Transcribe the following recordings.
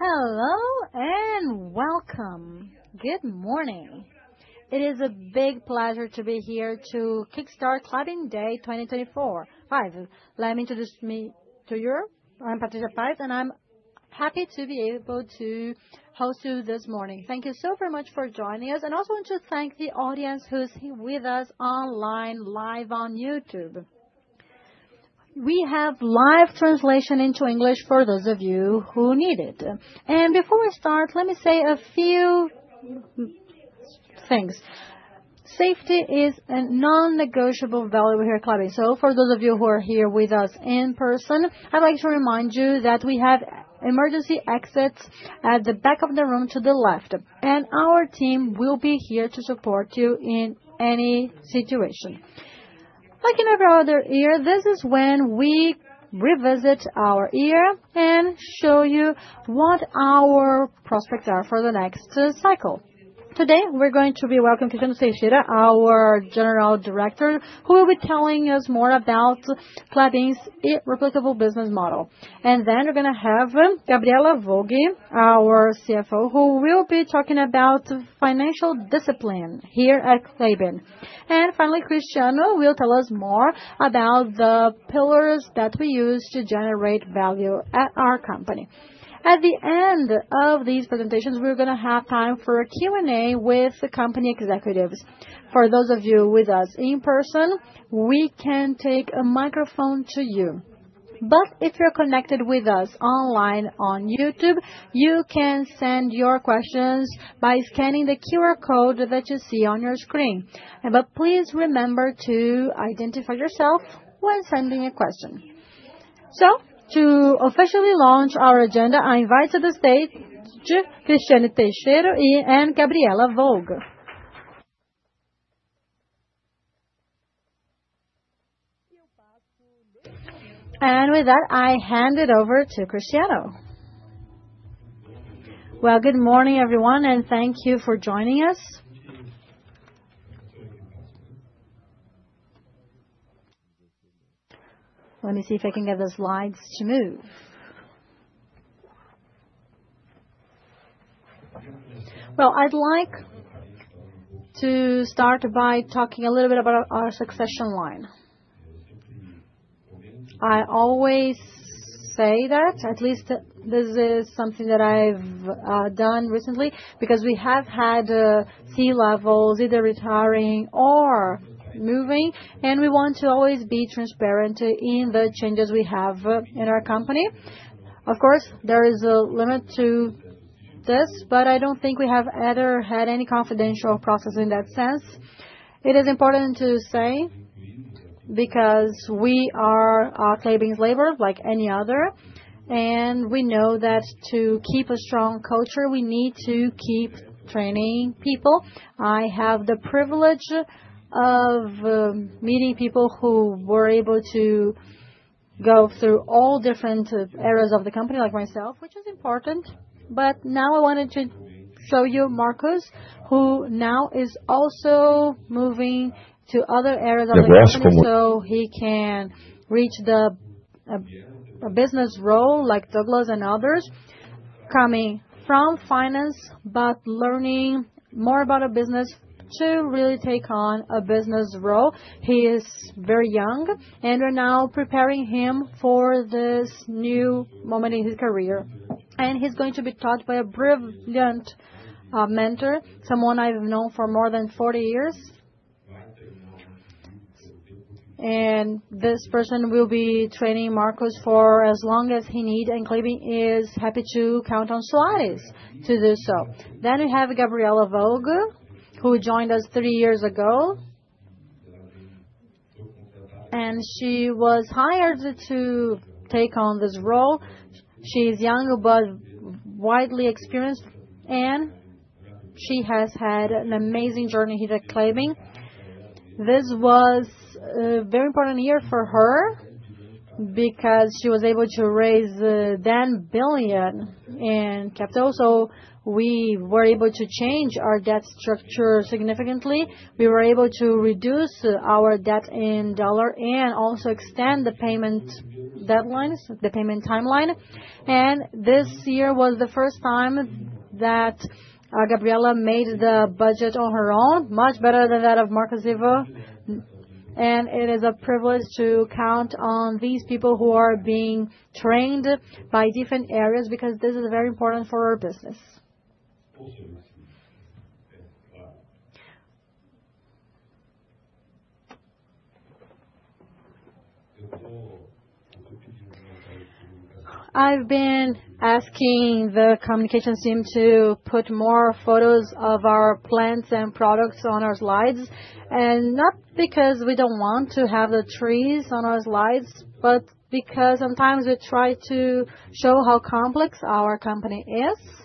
Hello and welcome. Good morning. It is a big pleasure to be here to kickstart Klabin Day 2024. First, let me introduce myself to you. I'm Patrícia Paes, and I'm happy to be able to host you this morning. Thank you so very much for joining us, and I also want to thank the audience who's with us online, live on YouTube. We have live translation into English for those of you who need it, and before we start, let me say a few things. Safety is a non-negotiable value here at Klabin, so for those of you who are here with us in person, I'd like to remind you that we have emergency exits at the back of the room to the left, and our team will be here to support you in any situation. Like in every other year, this is when we revisit our year and show you what our prospects are for the next cycle. Today, we're going to be welcoming Cristiano Teixeira, our General Director, who will be telling us more about Klabin's irreplicable business model. And then we're going to have Gabriela Woge, our CFO, who will be talking about financial discipline here at Klabin. And finally, Cristiano will tell us more about the pillars that we use to generate value at our company. At the end of these presentations, we're going to have time for a Q&A with company executives. For those of you with us in person, we can take a microphone to you. But if you're connected with us online on YouTube, you can send your questions by scanning the QR code that you see on your screen. Please remember to identify yourself when sending a question. To officially launch our agenda, I invite to the stage Cristiano Teixeira and Gabriela Woge. With that, I hand it over to Cristiano. Well, good morning, everyone, and thank you for joining us. Let me see if I can get the slides to move. Well, I'd like to start by talking a little bit about our succession line. I always say that, at least this is something that I've done recently, because we have had C-levels either retiring or moving, and we want to always be transparent in the changes we have in our company. Of course, there is a limit to this, but I don't think we have ever had any confidential process in that sense. It is important to say because we are Klabin's employees like any other, and we know that to keep a strong culture, we need to keep training people. I have the privilege of meeting people who were able to go through all different areas of the company, like myself, which is important. But now I wanted to show you Marcos, who now is also moving to other areas of the company. So he can reach the business role like Douglas and others coming from finance, but learning more about a business to really take on a business role. He is very young, and we're now preparing him for this new moment in his career. And he's going to be taught by a brilliant mentor, someone I've known for more than 40 years. This person will be training Marcos for as long as he needs, and Klabin is happy to count on José to do so. We have Gabriela Woge, who joined us three years ago. She was hired to take on this role. She is young but widely experienced, and she has had an amazing journey here at Klabin. This was a very important year for her because she was able to raise $10 billion in capital. We were able to change our debt structure significantly. We were able to reduce our debt in dollar and also extend the payment timeline. This year was the first time that Gabriela made the budget on her own, much better than that of Marcos Ivo. It is a privilege to count on these people who are being trained by different areas because this is very important for our business. I've been asking the communications team to put more photos of our plants and products on our slides. And not because we don't want to have the trees on our slides, but because sometimes we try to show how complex our company is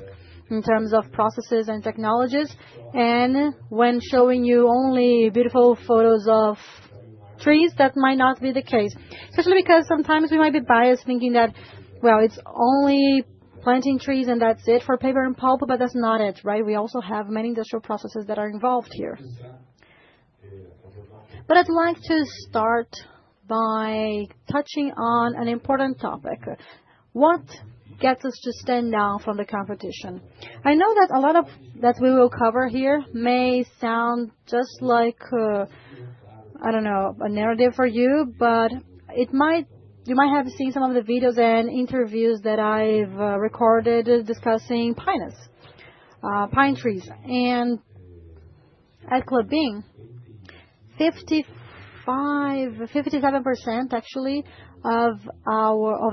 in terms of processes and technologies. And when showing you only beautiful photos of trees, that might not be the case. Especially because sometimes we might be biased thinking that, well, it's only planting trees and that's it for paper and pulp, but that's not it, right? We also have many industrial processes that are involved here. But I'd like to start by touching on an important topic. What gets us to stand out from the competition? I know that a lot of that we will cover here may sound just like, I don't know, a narrative for you, but you might have seen some of the videos and interviews that I've recorded discussing pines, pine trees, and at Klabin, 57% actually of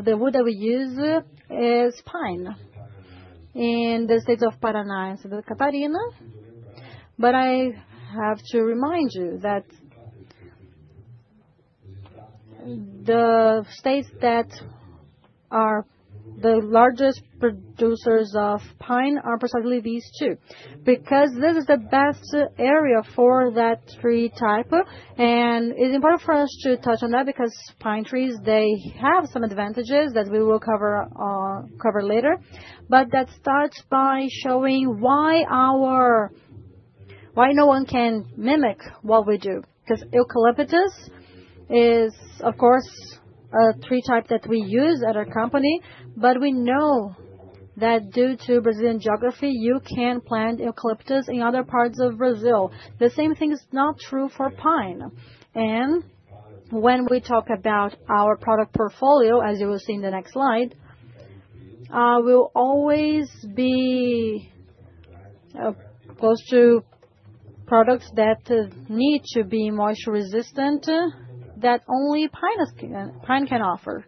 the wood that we use is pine in the states of Paraná and Santa Catarina, but I have to remind you that the states that are the largest producers of pine are precisely these two. Because this is the best area for that tree type, and it's important for us to touch on that because pine trees, they have some advantages that we will cover later, but let's start by showing why no one can mimic what we do. Because eucalyptus is, of course, a tree type that we use at our company. But we know that due to Brazilian geography, you can't plant eucalyptus in other parts of Brazil. The same thing is not true for pine. And when we talk about our product portfolio, as you will see in the next slide, we'll always be close to products that need to be moisture-resistant that only pine can offer.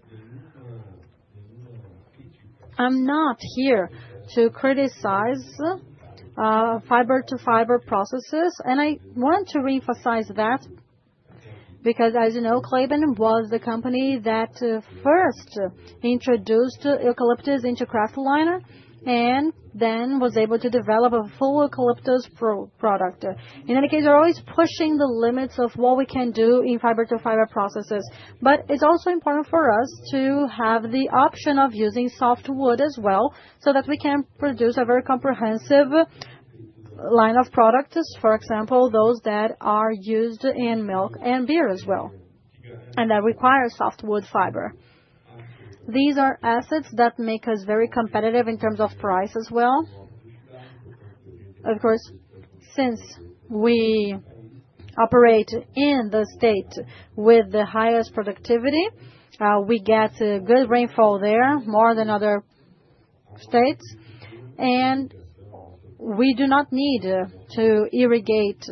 I'm not here to criticize fiber-to-fiber processes. And I want to reemphasize that because, as you know, Klabin was the company that first introduced eucalyptus into kraftliner and then was able to develop a full eucalyptus product. In any case, we're always pushing the limits of what we can do in fiber-to-fiber processes. But it's also important for us to have the option of using softwood as well so that we can produce a very comprehensive line of products, for example, those that are used in milk and beer as well. That requires softwood fiber. These are assets that make us very competitive in terms of price as well. Of course, since we operate in the state with the highest productivity, we get good rainfall there, more than other states. We do not need to irrigate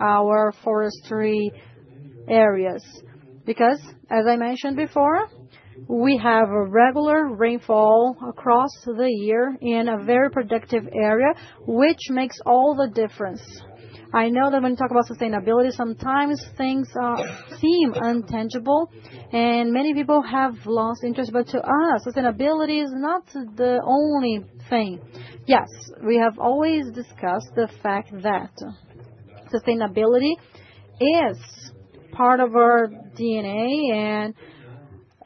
our forestry areas. Because, as I mentioned before, we have regular rainfall across the year in a very productive area, which makes all the difference. I know that when we talk about sustainability, sometimes things seem intangible, and many people have lost interest. To us, sustainability is not the only thing. Yes, we have always discussed the fact that sustainability is part of our DNA.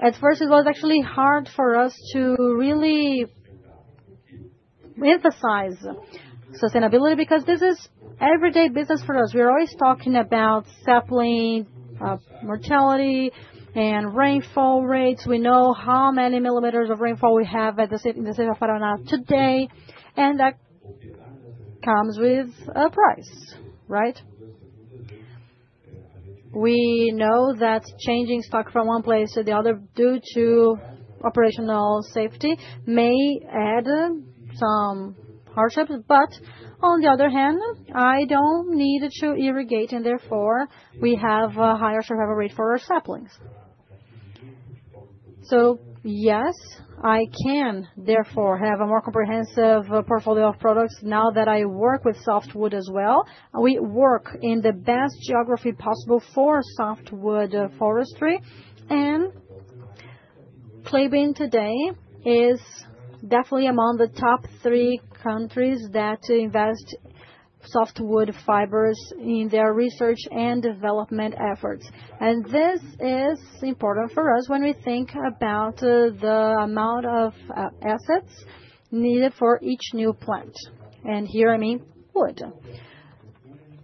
At first, it was actually hard for us to really emphasize sustainability because this is everyday business for us. We're always talking about sapling mortality and rainfall rates. We know how many millimeters of rainfall we have at the city of Paraná today, and that comes with a price, right? We know that changing stock from one place to the other due to operational safety may add some hardships, but on the other hand, I don't need to irrigate, and therefore we have a higher survival rate for our saplings, so yes, I can therefore have a more comprehensive portfolio of products now that I work with softwood as well. We work in the best geography possible for softwood forestry, and Klabin today is definitely among the top three countries that invest softwood fibers in their research and development efforts. This is important for us when we think about the amount of assets needed for each new plant, and here, I mean wood,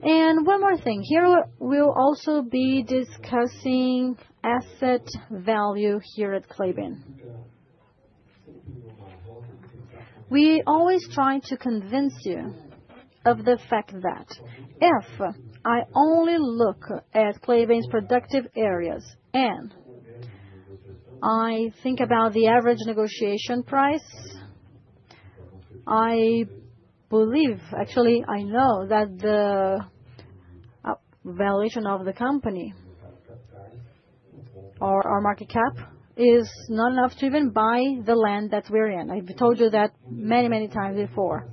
and one more thing: here we'll also be discussing asset value here at Klabin. We always try to convince you of the fact that if I only look at Klabin's productive areas and I think about the average negotiation price, I believe, actually, I know that the valuation of the company, our market cap, is not enough to even buy the land that we're in. I've told you that many, many times before.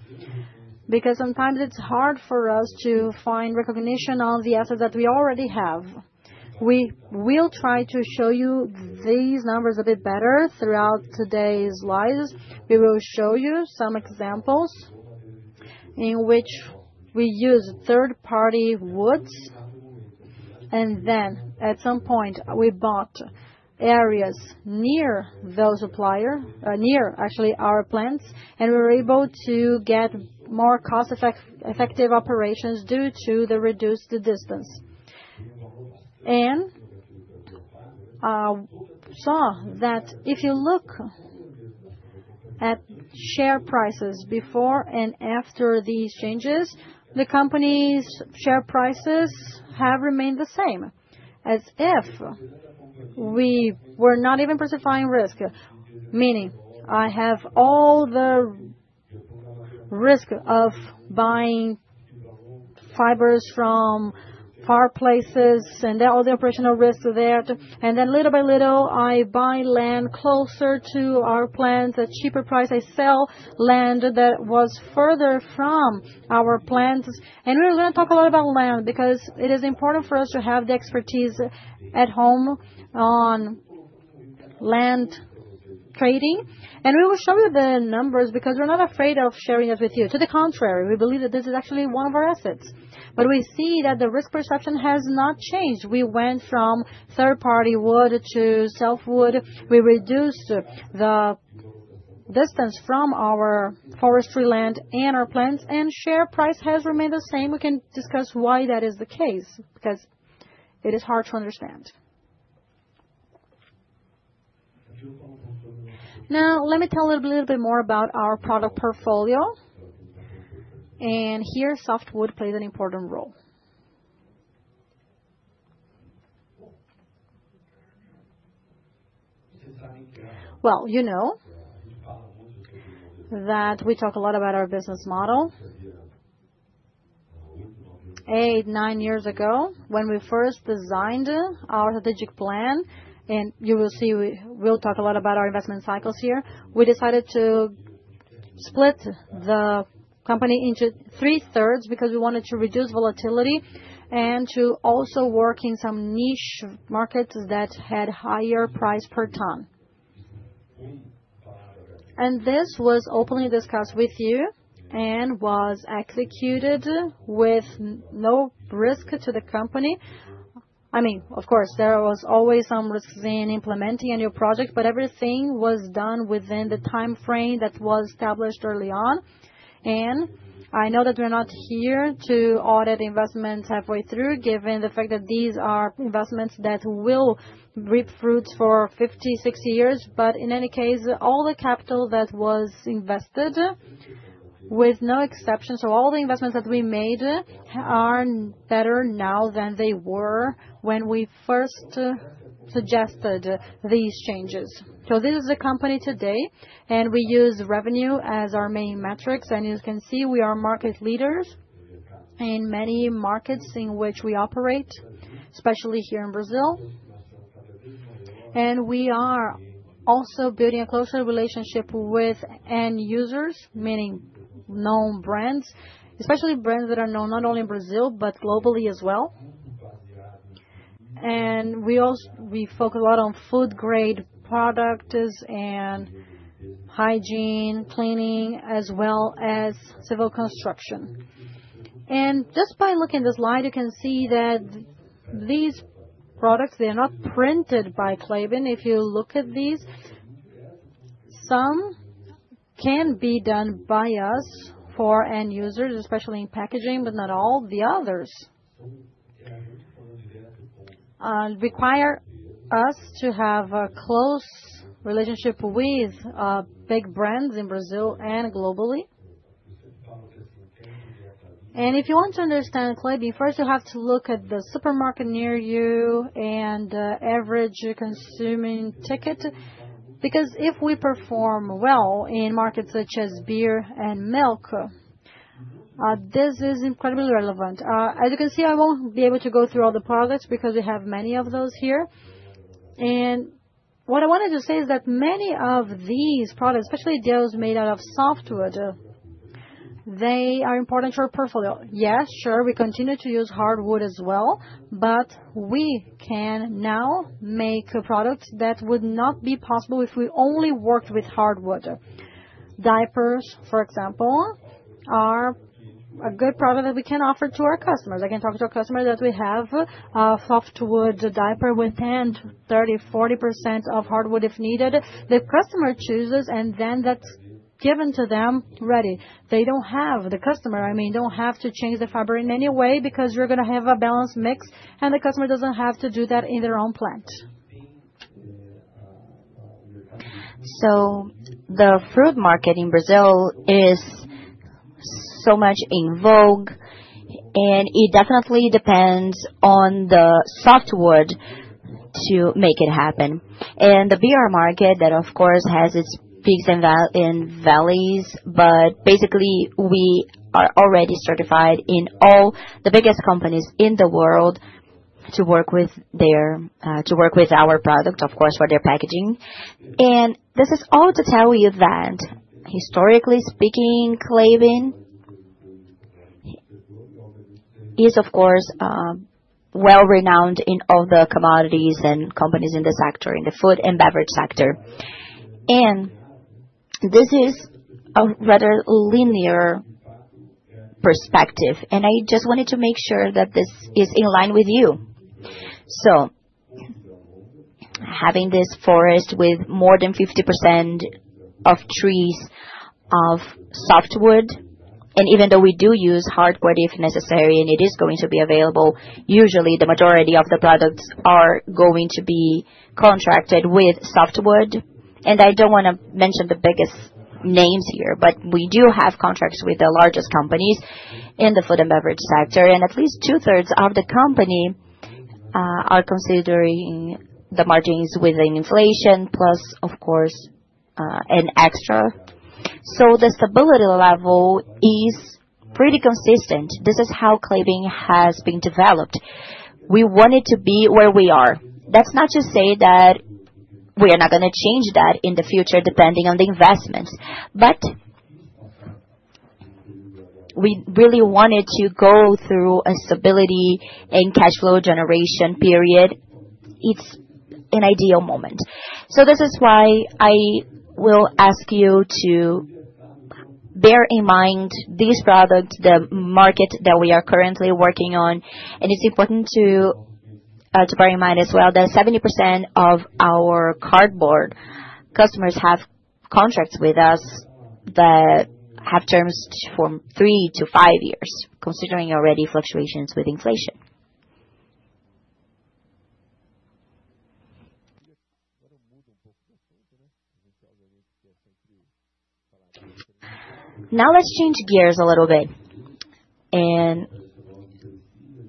Because sometimes it's hard for us to find recognition on the assets that we already have. We will try to show you these numbers a bit better throughout today's slides. We will show you some examples in which we use third-party woods, and then at some point, we bought areas near our plants, and we were able to get more cost-effective operations due to the reduced distance, and saw that if you look at share prices before and after these changes, the company's share prices have remained the same. As if we were not even mitigating risk. Meaning, I have all the risk of buying fibers from far places and all the operational risks there. And then little by little, I buy land closer to our plants at a cheaper price. I sell land that was further from our plants. And we're going to talk a lot about land because it is important for us to have the expertise at home on land trading. And we will show you the numbers because we're not afraid of sharing that with you. To the contrary, we believe that this is actually one of our assets. But we see that the risk perception has not changed. We went from third-party wood to self-wood. We reduced the distance from our forestry land and our plants, and share price has remained the same. We can discuss why that is the case because it is hard to understand. Now, let me tell you a little bit more about our product portfolio. And here, softwood plays an important role. Well, you know that we talk a lot about our business model. Eight, nine years ago, when we first designed our strategic plan, and you will see we'll talk a lot about our investment cycles here, we decided to split the company into 3/3 because we wanted to reduce volatility and to also work in some niche markets that had higher price per ton. And this was openly discussed with you and was executed with no risk to the company. I mean, of course, there was always some risks in implementing a new project, but everything was done within the timeframe that was established early on. I know that we're not here to audit investments halfway through, given the fact that these are investments that will reap fruits for 50, 60 years. In any case, all the capital that was invested, with no exception, so all the investments that we made are better now than they were when we first suggested these changes. This is the company today, and we use revenue as our main metrics. As you can see, we are market leaders in many markets in which we operate, especially here in Brazil. We are also building a closer relationship with end users, meaning known brands, especially brands that are known not only in Brazil, but globally as well. We focus a lot on food-grade products and hygiene, cleaning, as well as civil construction. Just by looking at this slide, you can see that these products, they're not printed by Klabin. If you look at these, some can be done by us for end users, especially in packaging, but not all. The others require us to have a close relationship with big brands in Brazil and globally. If you want to understand Klabin, first you have to look at the supermarket near you and the average consuming ticket. Because if we perform well in markets such as beer and milk, this is incredibly relevant. As you can see, I won't be able to go through all the products because we have many of those here. What I wanted to say is that many of these products, especially those made out of softwood, they are important to our portfolio. Yes, sure, we continue to use hardwood as well, but we can now make products that would not be possible if we only worked with hardwood. Diapers, for example, are a good product that we can offer to our customers. I can talk to a customer that we have a softwood diaper within 30% to 40% of hardwood if needed. The customer chooses, and then that's given to them ready. They don't have the customer, I mean, don't have to change the fiber in any way because you're going to have a balanced mix, and the customer doesn't have to do that in their own plant. So the fluff market in Brazil is so much in vogue, and it definitely depends on the softwood to make it happen. The beer market, that of course has its peaks and valleys, but basically we are already certified in all the biggest companies in the world to work with our product, of course, for their packaging. This is all to tell you that, historically speaking, Klabin is, of course, well-renowned in all the commodities and companies in the sector, in the food and beverage sector. This is a rather linear perspective. I just wanted to make sure that this is in line with you. Having this forest with more than 50% of trees of softwood, and even though we do use hardwood if necessary, and it is going to be available, usually the majority of the products are going to be contracted with softwood. And I don't want to mention the biggest names here, but we do have contracts with the largest companies in the food and beverage sector. And at least two-thirds of the company are considering the margins within inflation, plus, of course, an extra. So the stability level is pretty consistent. This is how Klabin has been developed. We want it to be where we are. That's not to say that we are not going to change that in the future depending on the investments. But we really wanted to go through a stability and cash flow generation period. It's an ideal moment. So this is why I will ask you to bear in mind these products, the market that we are currently working on. It's important to bear in mind as well that 70% of our cardboard customers have contracts with us that have terms for three to five years, considering already fluctuations with inflation. Now let's change gears a little bit.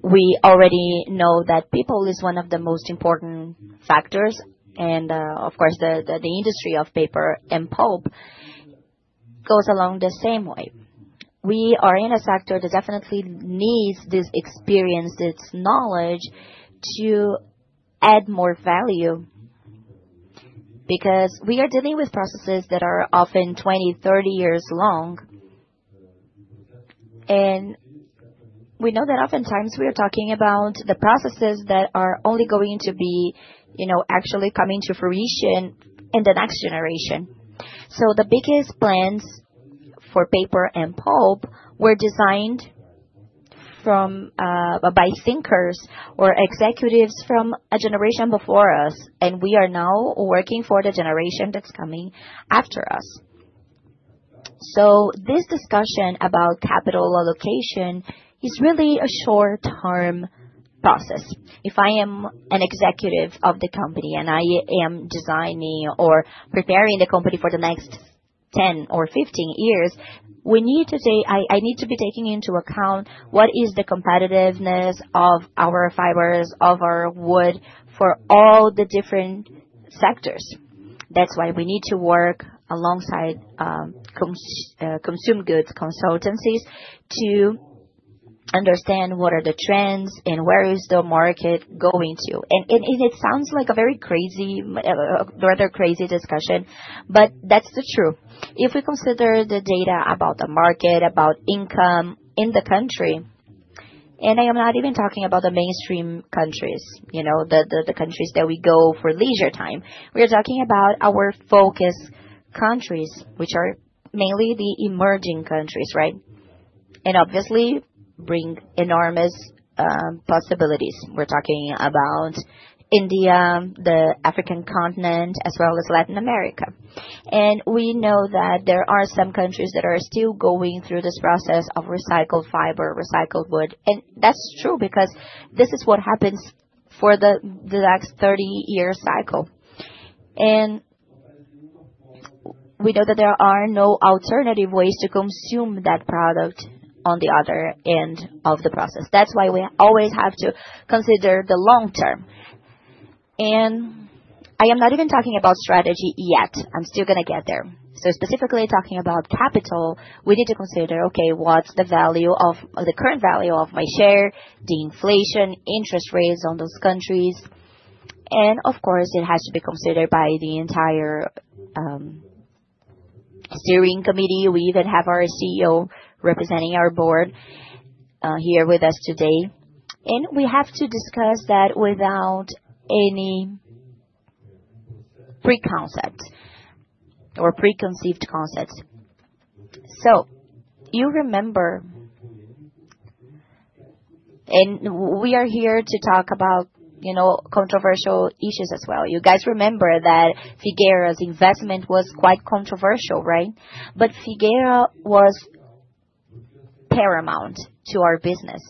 We already know that people is one of the most important factors. Of course, the industry of paper and pulp goes along the same way. We are in a sector that definitely needs this experience, this knowledge to add more value because we are dealing with processes that are often 20, 30 years long. We know that oftentimes we are talking about the processes that are only going to be actually coming to fruition in the next generation. So the biggest plans for paper and pulp were designed by thinkers or executives from a generation before us, and we are now working for the generation that's coming after us. So this discussion about capital allocation is really a short-term process. If I am an executive of the company and I am designing or preparing the company for the next 10 or 15 years, I need to be taking into account what is the competitiveness of our fibers, of our wood for all the different sectors. That's why we need to work alongside consumer goods consultancies to understand what are the trends and where is the market going to. And it sounds like a very crazy, rather crazy discussion, but that's the truth. If we consider the data about the market, about income in the country, and I am not even talking about the mainstream countries, the countries that we go for leisure time. We are talking about our focus countries, which are mainly the emerging countries, right? And obviously bring enormous possibilities. We're talking about India, the African continent, as well as Latin America. And we know that there are some countries that are still going through this process of recycled fiber, recycled wood. And that's true because this is what happens for the next 30-year cycle. And we know that there are no alternative ways to consume that product on the other end of the process. That's why we always have to consider the long term. And I am not even talking about strategy yet. I'm still going to get there. So, specifically talking about capital, we need to consider, okay, what's the value of the current value of my share, the inflation, interest rates on those countries. And of course, it has to be considered by the entire steering committee. We even have our CEO representing our board here with us today. And we have to discuss that without any preconcept or preconceived concepts. So you remember, and we are here to talk about controversial issues as well. You guys remember that Figueira's investment was quite controversial, right? But Figueira was paramount to our business.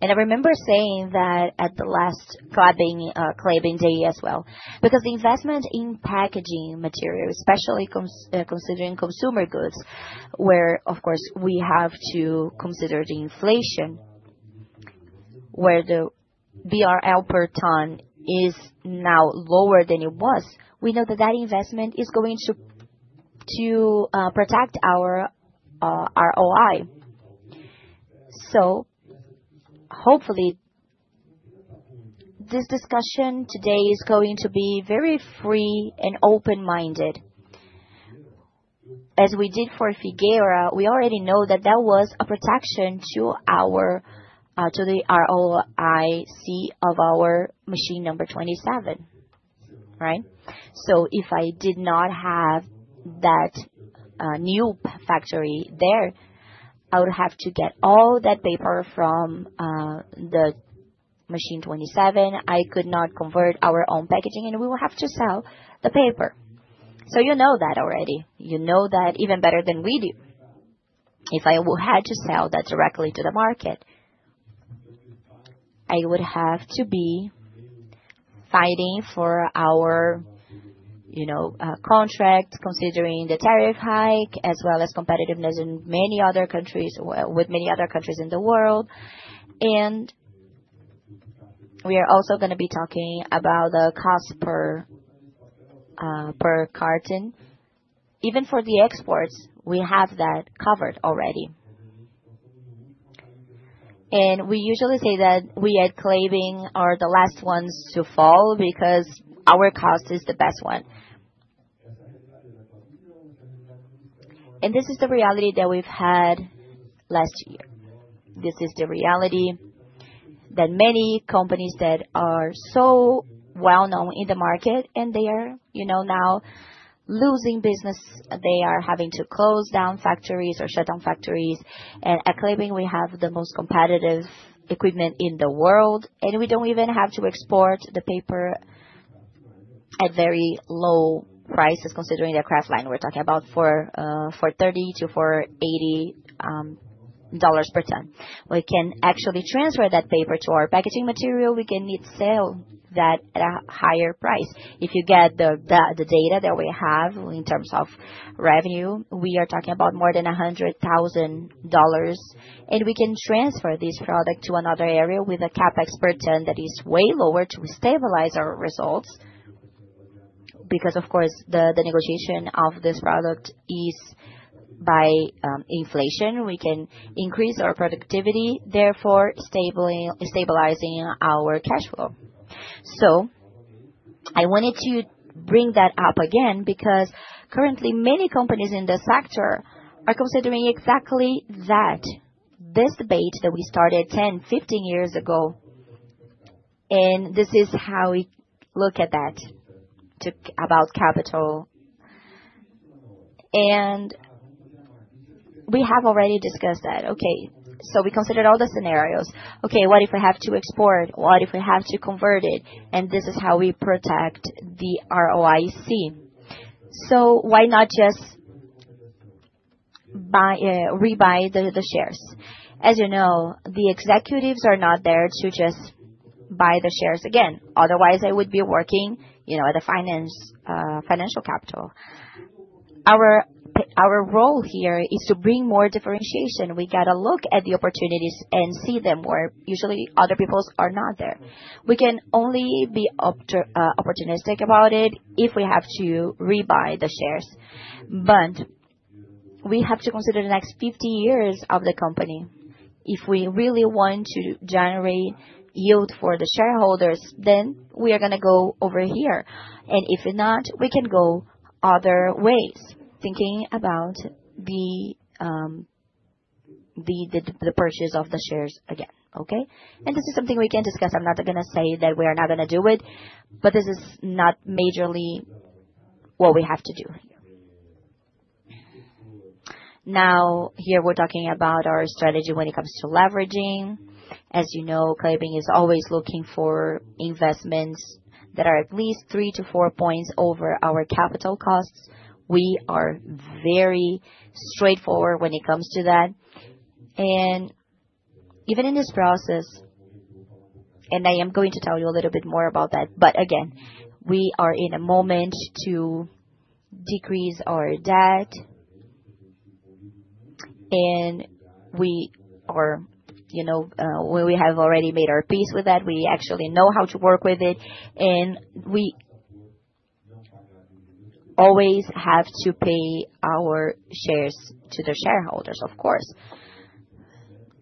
And I remember saying that at the last Klabin Day as well. Because the investment in packaging material, especially considering consumer goods, where, of course, we have to consider the inflation, where the BRL per ton is now lower than it was, we know that that investment is going to protect our ROIC. So hopefully, this discussion today is going to be very free and open-minded. As we did for Figueira, we already know that that was a protection to our ROIC of our machine number 27, right? So if I did not have that new factory there, I would have to get all that paper from the Machine 27. I could not convert our own packaging, and we will have to sell the paper. So you know that already. You know that even better than we do. If I had to sell that directly to the market, I would have to be fighting for our contract, considering the tariff hike, as well as competitiveness in many other countries, with many other countries in the world. And we are also going to be talking about the cost per carton. Even for the exports, we have that covered already. We usually say that we at Klabin are the last ones to fall because our cost is the best one. This is the reality that we've had last year. This is the reality that many companies that are so well-known in the market, and they are now losing business. They are having to close down factories or shut down factories. At Klabin, we have the most competitive equipment in the world, and we don't even have to export the paper at very low prices, considering the kraftliner we're talking about for $30 to $80 per ton. We can actually transfer that paper to our packaging material. We can sell that at a higher price. If you get the data that we have in terms of revenue, we are talking about more than $100,000. And we can transfer this product to another area with a CapEx per ton that is way lower to stabilize our results. Because, of course, the negotiation of this product is by inflation. We can increase our productivity, therefore stabilizing our cash flow. So I wanted to bring that up again because currently many companies in the sector are considering exactly that, this debate that we started 10, 15 years ago. And this is how we look at that, about capital. And we have already discussed that. Okay. So we considered all the scenarios. Okay, what if we have to export? What if we have to convert it? And this is how we protect the ROIC. So why not just rebuy the shares? As you know, the executives are not there to just buy the shares again. Otherwise, they would be working at the financial capital. Our role here is to bring more differentiation. We got to look at the opportunities and see them where usually other people are not there. We can only be opportunistic about it if we have to rebuy the shares, but we have to consider the next 50 years of the company. If we really want to generate yield for the shareholders, then we are going to go over here, and if not, we can go other ways, thinking about the purchase of the shares again. Okay? And this is something we can discuss. I'm not going to say that we are not going to do it, but this is not majorly what we have to do here. Now, here we're talking about our strategy when it comes to leveraging. As you know, Klabin is always looking for investments that are at least three to four points over our capital costs. We are very straightforward when it comes to that. And even in this process, and I am going to tell you a little bit more about that. But again, we are in a moment to decrease our debt. And we have already made our peace with that. We actually know how to work with it. And we always have to pay our shares to the shareholders, of course.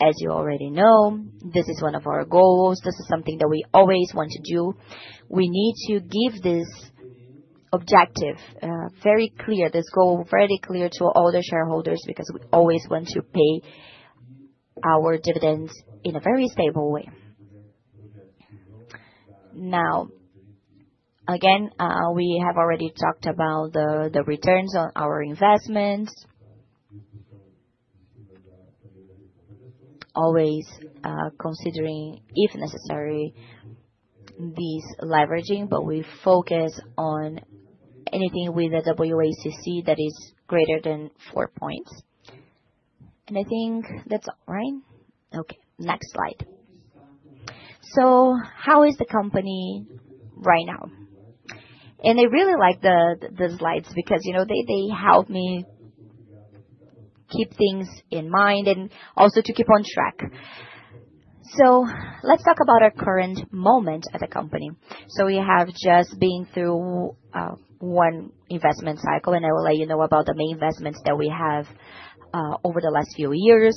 As you already know, this is one of our goals. This is something that we always want to do. We need to give this objective very clear, this goal very clear to all the shareholders because we always want to pay our dividends in a very stable way. Now, again, we have already talked about the returns on our investments, always considering, if necessary, this leveraging, but we focus on anything with a WACC that is greater than four points. I think that's all, right? Okay. Next slide. So how is the company right now? I really like the slides because they help me keep things in mind and also to keep on track. Let's talk about our current moment at the company. We have just been through one investment cycle, and I will let you know about the main investments that we have over the last few years.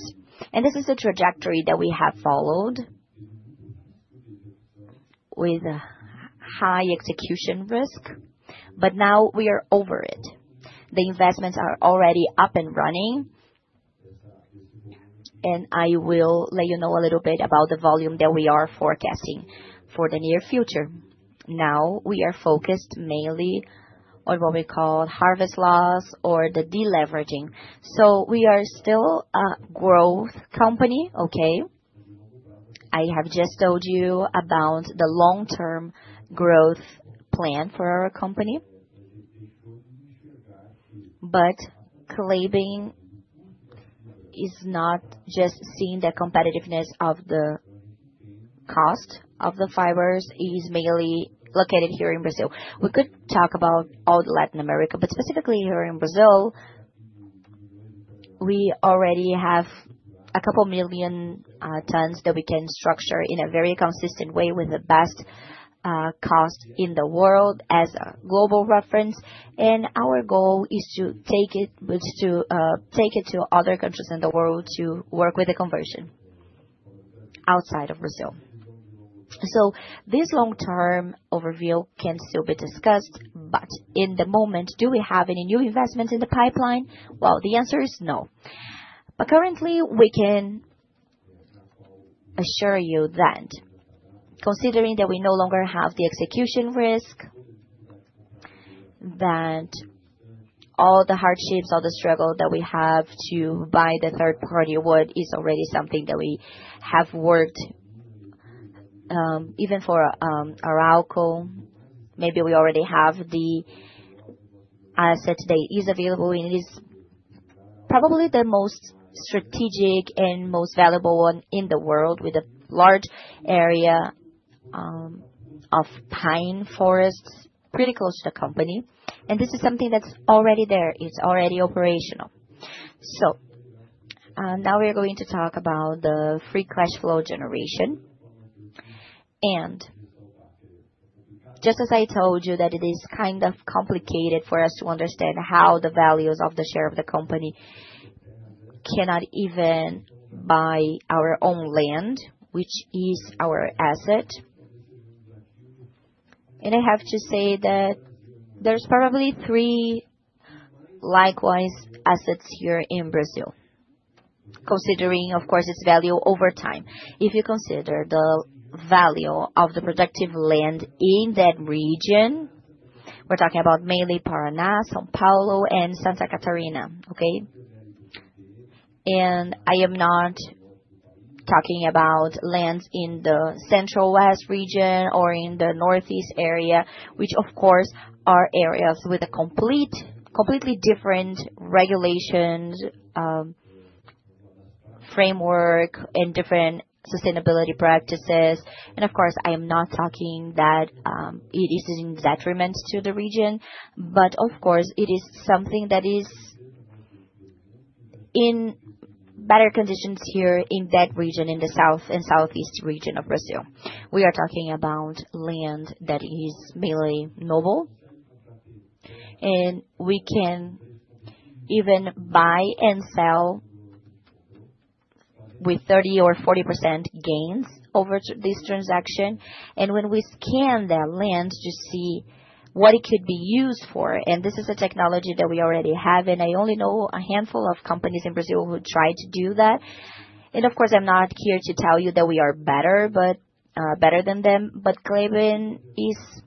This is the trajectory that we have followed with high execution risk. Now we are over it. The investments are already up and running. I will let you know a little bit about the volume that we are forecasting for the near future. Now we are focused mainly on what we call harvest phase or the deleveraging. We are still a growth company, okay? I have just told you about the long-term growth plan for our company. But Klabin is not just seeing the competitiveness of the cost of the fibers. It is mainly located here in Brazil. We could talk about all Latin America, but specifically here in Brazil, we already have a couple million tons that we can structure in a very consistent way with the best cost in the world as a global reference. And our goal is to take it to other countries in the world to work with the conversion outside of Brazil. So this long-term overview can still be discussed, but in the moment, do we have any new investments in the pipeline? Well, the answer is no. But currently, we can assure you that, considering that we no longer have the execution risk, that all the hardships, all the struggle that we have to buy the third-party wood is already something that we have worked even for Arauco. Maybe we already have the asset that is available, and it is probably the most strategic and most valuable one in the world with a large area of pine forests pretty close to the company. And this is something that's already there. It's already operational. So now we are going to talk about the free cash flow generation. And just as I told you that it is kind of complicated for us to understand how the values of the share of the company cannot even buy our own land, which is our asset. And I have to say that there's probably three likewise assets here in Brazil, considering, of course, its value over time. If you consider the value of the productive land in that region, we're talking about mainly Paraná, São Paulo, and Santa Catarina, okay? And I am not talking about lands in the Central West region or in the Northeast area, which, of course, are areas with completely different regulations, framework, and different sustainability practices. And of course, I am not talking that it is in detriment to the region, but of course, it is something that is in better conditions here in that region, in the South and Southeast region of Brazil. We are talking about land that is mainly noble, and we can even buy and sell with 30% or 40% gains over this transaction. When we scan that land to see what it could be used for, and this is a technology that we already have, and I only know a handful of companies in Brazil who tried to do that. Of course, I'm not here to tell you that we are better than them, but Klabin is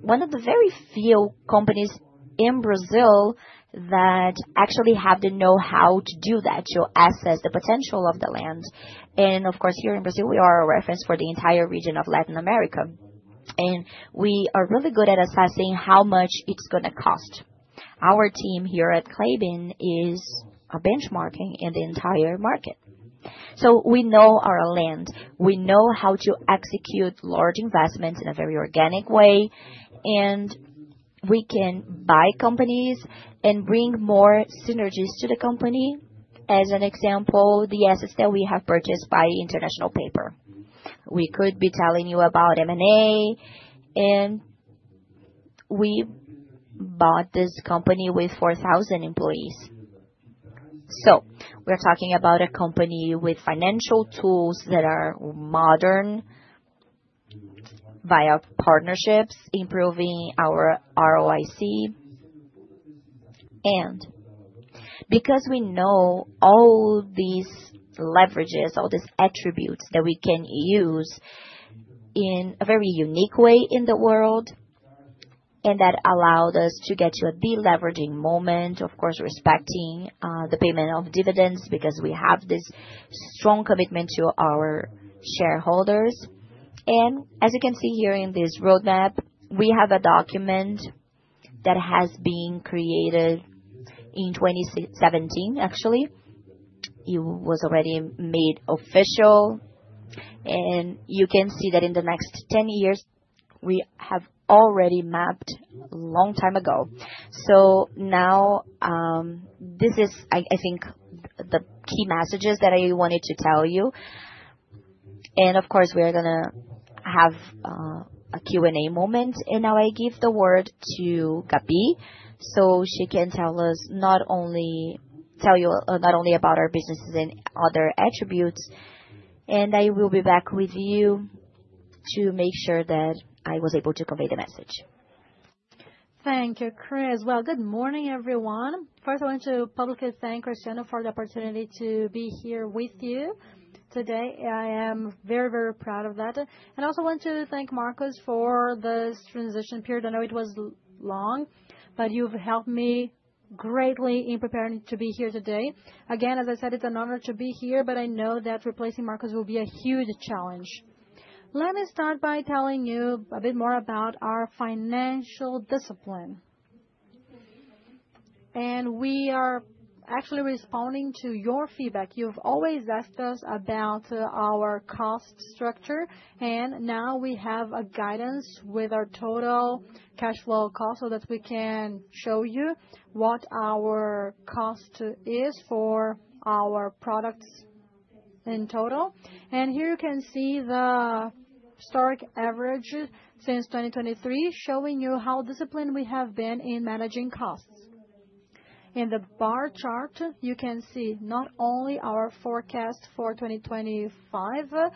one of the very few companies in Brazil that actually have the know-how to do that, to assess the potential of the land. Of course, here in Brazil, we are a reference for the entire region of Latin America, and we are really good at assessing how much it's going to cost. Our team here at Klabin is benchmarking in the entire market. We know our land. We know how to execute large investments in a very organic way, and we can buy companies and bring more synergies to the company. As an example, the assets that we have purchased from International Paper. We could be telling you about M&A, and we bought this company with 4,000 employees. So we're talking about a company with financial tools that are modern via partnerships, improving our ROIC, because we know all these leverages, all these attributes that we can use in a very unique way in the world, and that allowed us to get to a deleveraging moment, of course, respecting the payment of dividends because we have this strong commitment to our shareholders, and as you can see here in this roadmap, we have a document that has been created in 2017, actually. It was already made official, and you can see that in the next 10 years, we have already mapped a long time ago, so now this is, I think, the key messages that I wanted to tell you. Of course, we are going to have a Q&A moment, and now I give the word to Gabi so she can tell us not only about our businesses and other attributes. I will be back with you to make sure that I was able to convey the message. Thank you, Chris. Good morning, everyone. First, I want to publicly thank Cristiano for the opportunity to be here with you today. I am very, very proud of that. I also want to thank Marcos for this transition period. I know it was long, but you've helped me greatly in preparing to be here today. Again, as I said, it's an honor to be here, but I know that replacing Marcos will be a huge challenge. Let me start by telling you a bit more about our financial discipline. We are actually responding to your feedback. You've always asked us about our cost structure, and now we have a guidance with our total cash flow cost so that we can show you what our cost is for our products in total, and here you can see the historic average since 2023, showing you how disciplined we have been in managing costs. In the bar chart, you can see not only our forecast for 2025,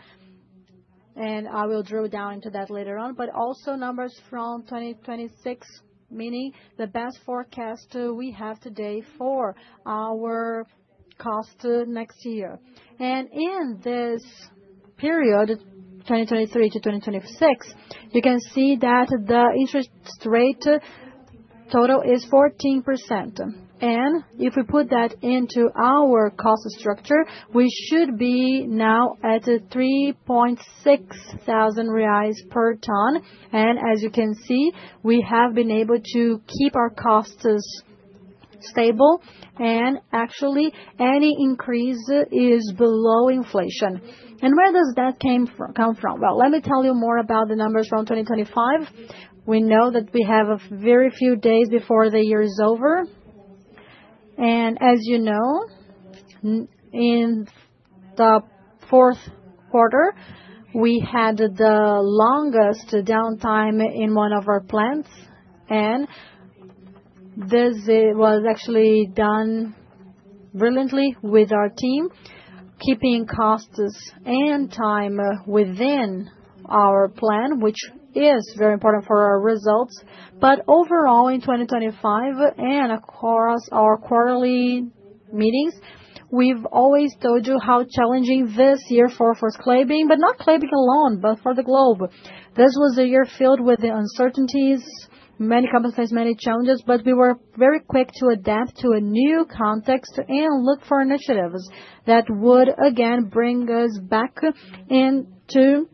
and I will drill down into that later on, but also numbers from 2026, meaning the best forecast we have today for our cost next year, and in this period, 2023 to 2026, you can see that the interest rate total is 14%, and if we put that into our cost structure, we should be now at 3,600 reais per ton, and as you can see, we have been able to keep our costs stable, and actually, any increase is below inflation. Where does that come from? Let me tell you more about the numbers from 2025. We know that we have very few days before the year is over. As you know, in the fourth quarter, we had the longest downtime in one of our plants. This was actually done brilliantly with our team, keeping costs and time within our plan, which is very important for our results. Overall, in 2025, and across our quarterly meetings, we've always told you how challenging this year was for Klabin, but not Klabin alone, but for the globe. This was a year filled with the uncertainties, many complexities, many challenges, but we were very quick to adapt to a new context and look for initiatives that would, again, bring us back into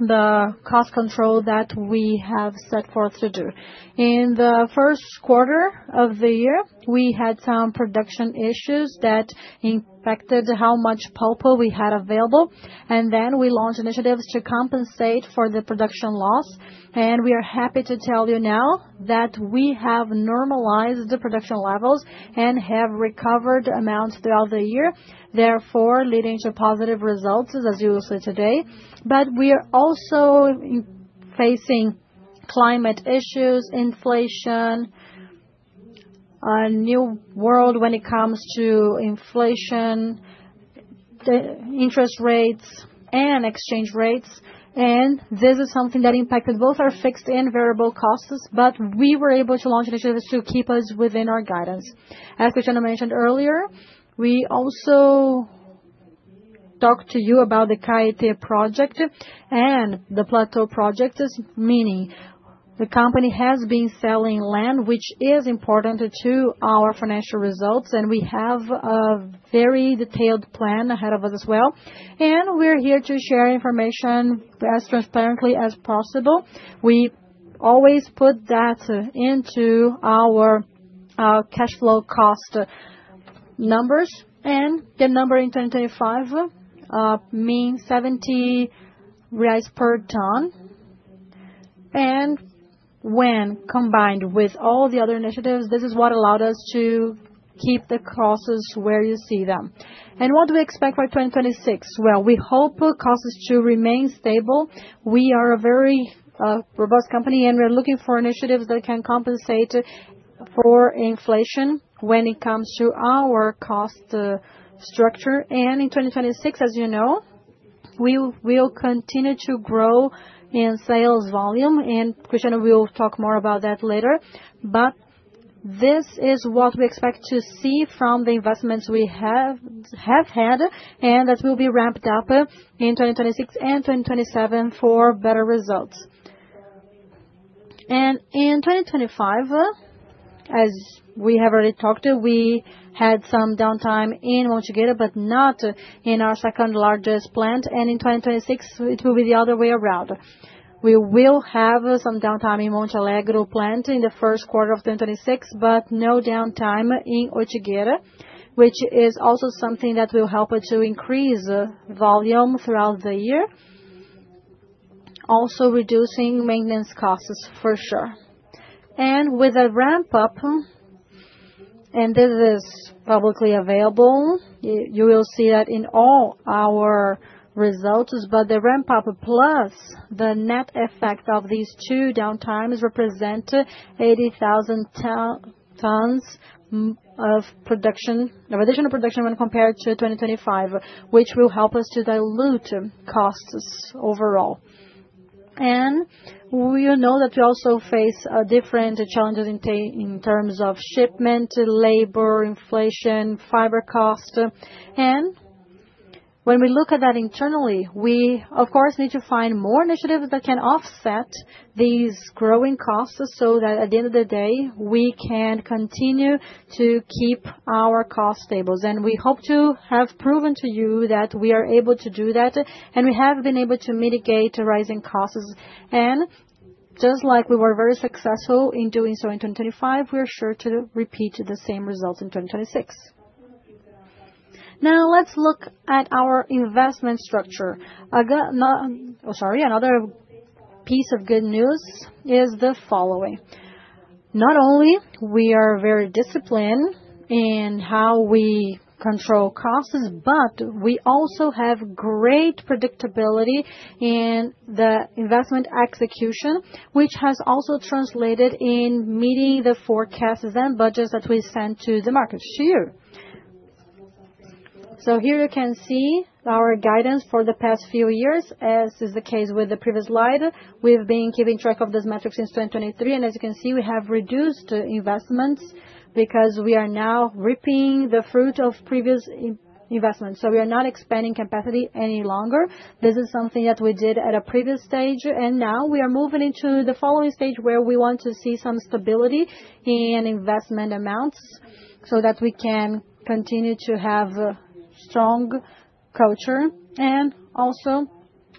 the cost control that we have set forth to do. In the first quarter of the year, we had some production issues that impacted how much pulp we had available. And then we launched initiatives to compensate for the production loss. And we are happy to tell you now that we have normalized the production levels and have recovered amounts throughout the year, therefore leading to positive results, as you will see today. But we are also facing climate issues, inflation, a new role when it comes to inflation, interest rates, and exchange rates. And this is something that impacted both our fixed and variable costs, but we were able to launch initiatives to keep us within our guidance. As Cristiano mentioned earlier, we also talked to you about the Caetê Project and the Planalto Project, meaning the company has been selling land, which is important to our financial results. We have a very detailed plan ahead of us as well. We're here to share information as transparently as possible. We always put that into our cash flow cost numbers. The number in 2025 means BRL 70 per ton. When combined with all the other initiatives, this is what allowed us to keep the costs where you see them. What do we expect for 2026? We hope costs to remain stable. We are a very robust company, and we're looking for initiatives that can compensate for inflation when it comes to our cost structure. In 2026, as you know, we will continue to grow in sales volume, and Cristiano will talk more about that later. This is what we expect to see from the investments we have had, and that will be ramped up in 2026 and 2027 for better results. In 2025, as we have already talked, we had some downtime in Monte Alegre, but not in our second largest plant. In 2026, it will be the other way around. We will have some downtime in Monte Alegre plant in the first quarter of 2026, but no downtime in Ortigueira, which is also something that will help to increase volume throughout the year, also reducing maintenance costs for sure. With a ramp-up, and this is publicly available, you will see that in all our results, but the ramp-up plus the net effect of these two downtimes represents 80,000 tons of production, the reduction of production when compared to 2025, which will help us to dilute costs overall. We know that we also face different challenges in terms of shipment, labor, inflation, fiber cost. And when we look at that internally, we, of course, need to find more initiatives that can offset these growing costs so that at the end of the day, we can continue to keep our costs stable. We hope to have proven to you that we are able to do that, and we have been able to mitigate rising costs. Just like we were very successful in doing so in 2025, we are sure to repeat the same results in 2026. Now, let's look at our investment structure. Sorry, another piece of good news is the following. Not only are we very disciplined in how we control costs, but we also have great predictability in the investment execution, which has also translated into meeting the forecasts and budgets that we send to the market, to you. Here you can see our guidance for the past few years, as is the case with the previous slide. We've been keeping track of these metrics since 2023. As you can see, we have reduced investments because we are now reaping the fruit of previous investments. We are not expanding capacity any longer. This is something that we did at a previous stage. Now we are moving into the following stage where we want to see some stability in investment amounts so that we can continue to have a strong culture. Also,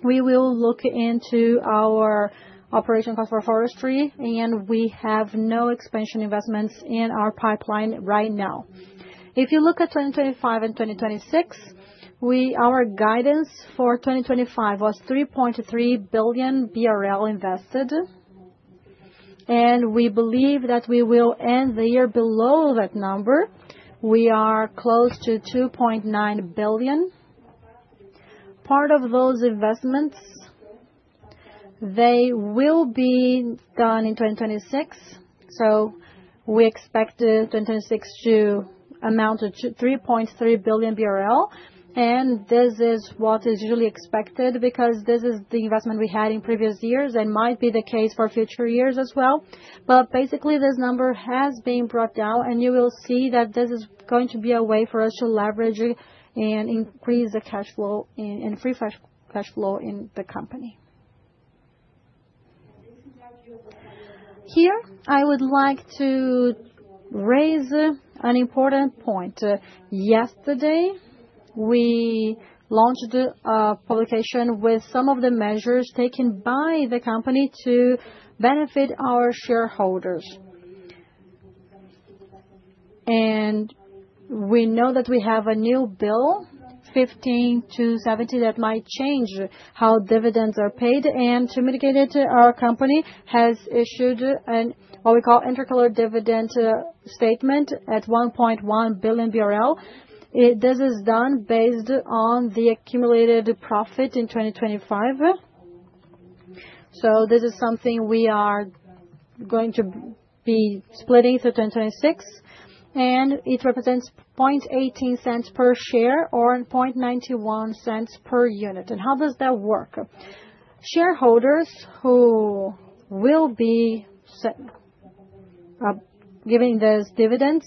we will look into our operation cost for forestry, and we have no expansion investments in our pipeline right now. If you look at 2025 and 2026, our guidance for 2025 was 3.3 billion BRL invested, and we believe that we will end the year below that number. We are close to 2.9 billion. Part of those investments, they will be done in 2026. So we expect 2026 to amount to 3.3 billion BRL. And this is what is usually expected because this is the investment we had in previous years. It might be the case for future years as well. But basically, this number has been brought down, and you will see that this is going to be a way for us to leverage and increase the cash flow and free cash flow in the company. Here, I would like to raise an important point. Yesterday, we launched a publication with some of the measures taken by the company to benefit our shareholders. And we know that we have a new PL 2337, that might change how dividends are paid. To mitigate it, our company has issued what we call interim dividend statement at 1.1 billion BRL. This is done based on the accumulated profit in 2025. This is something we are going to be splitting through 2026. It represents 18 cents per share or 91 cents per unit. How does that work? Shareholders who will be giving these dividends,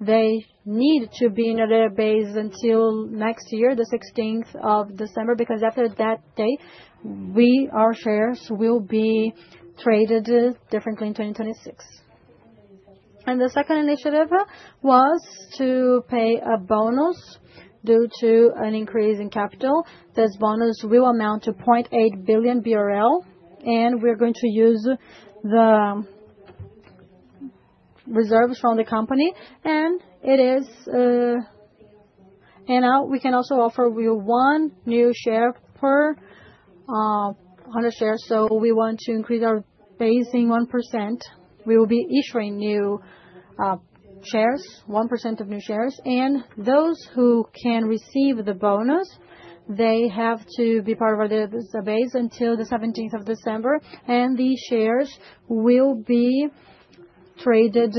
they need to be in a base until next year, the 16th of December, because after that day, our shares will be traded differently in 2026. The second initiative was to pay a bonus due to an increase in capital. This bonus will amount to 0.8 billion BRL, and we're going to use the reserves from the company. We can also offer one new share per 100 shares. We want to increase our base in 1%. We will be issuing new shares, 1% of new shares. And those who can receive the bonus, they have to be part of the base until the 17th of December. And these shares will be traded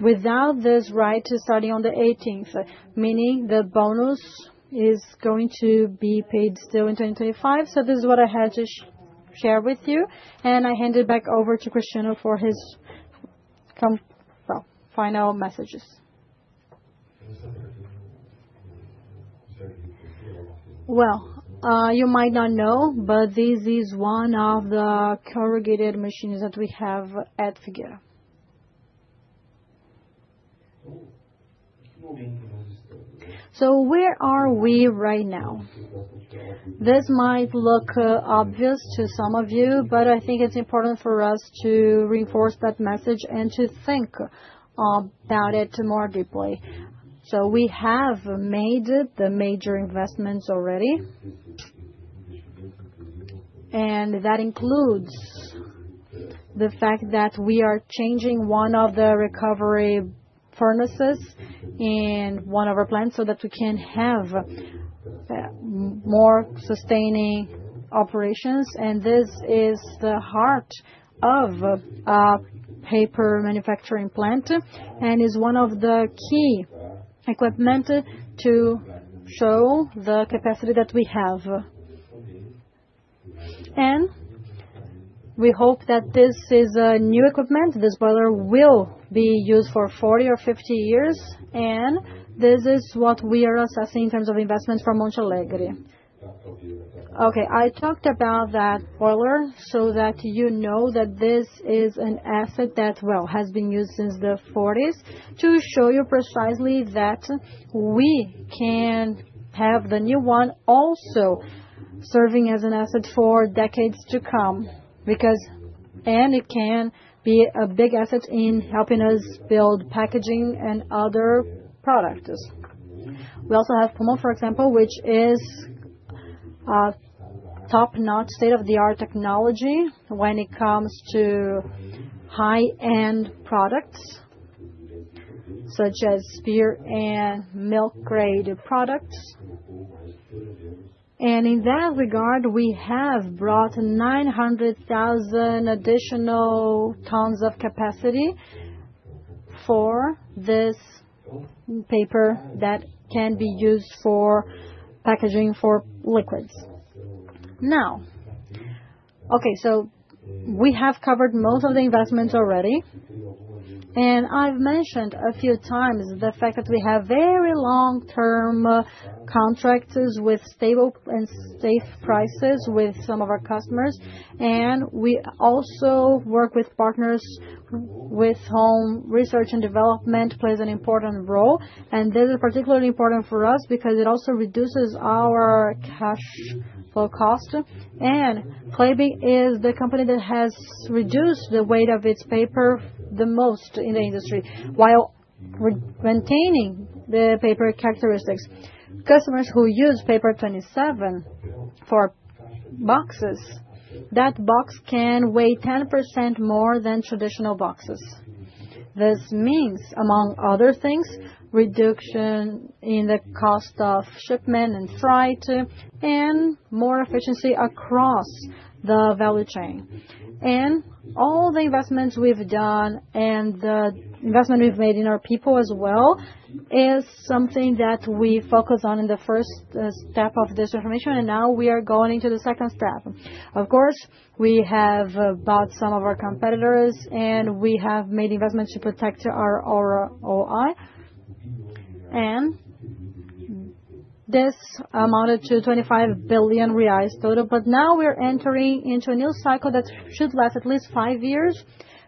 without this right starting on the 18th, meaning the bonus is going to be paid still in 2025. So this is what I had to share with you. And I hand it back over to Cristiano for his final messages. Well, you might not know, but this is one of the corrugated machines that we have at Figueira. So where are we right now? This might look obvious to some of you, but I think it's important for us to reinforce that message and to think about it more deeply. So we have made the major investments already. That includes the fact that we are changing one of the recovery furnaces in one of our plants so that we can have more sustaining operations. This is the heart of a paper manufacturing plant and is one of the key equipment to show the capacity that we have. We hope that this is a new equipment. This boiler will be used for 40 or 50 years. This is what we are assessing in terms of investments for Monte Alegre. Okay, I talked about that boiler so that you know that this is an asset that, well, has been used since the 40s to show you precisely that we can have the new one also serving as an asset for decades to come. It can be a big asset in helping us build packaging and other products. We also have Puma, for example, which is top-notch, state-of-the-art technology when it comes to high-end products such as sack and milk-grade products. And in that regard, we have brought 900,000 additional tons of capacity for this paper that can be used for packaging for liquids. Now, okay, so we have covered most of the investments already. And I've mentioned a few times the fact that we have very long-term contracts with stable and safe prices with some of our customers. And we also work with partners with whom research and development plays an important role. And this is particularly important for us because it also reduces our cash cost. And Klabin is the company that has reduced the weight of its paper the most in the industry while maintaining the paper characteristics. Customers who use Machine 27 for boxes, that box can weigh 10% more than traditional boxes. This means, among other things, reduction in the cost of shipment and freight and more efficiency across the value chain, and all the investments we've done and the investment we've made in our people as well is something that we focus on in the first step of this information, and now we are going into the second step. Of course, we have bought some of our competitors, and we have made investments to protect our ROIC, and this amounted to 25 billion reais total, but now we're entering into a new cycle that should last at least five years,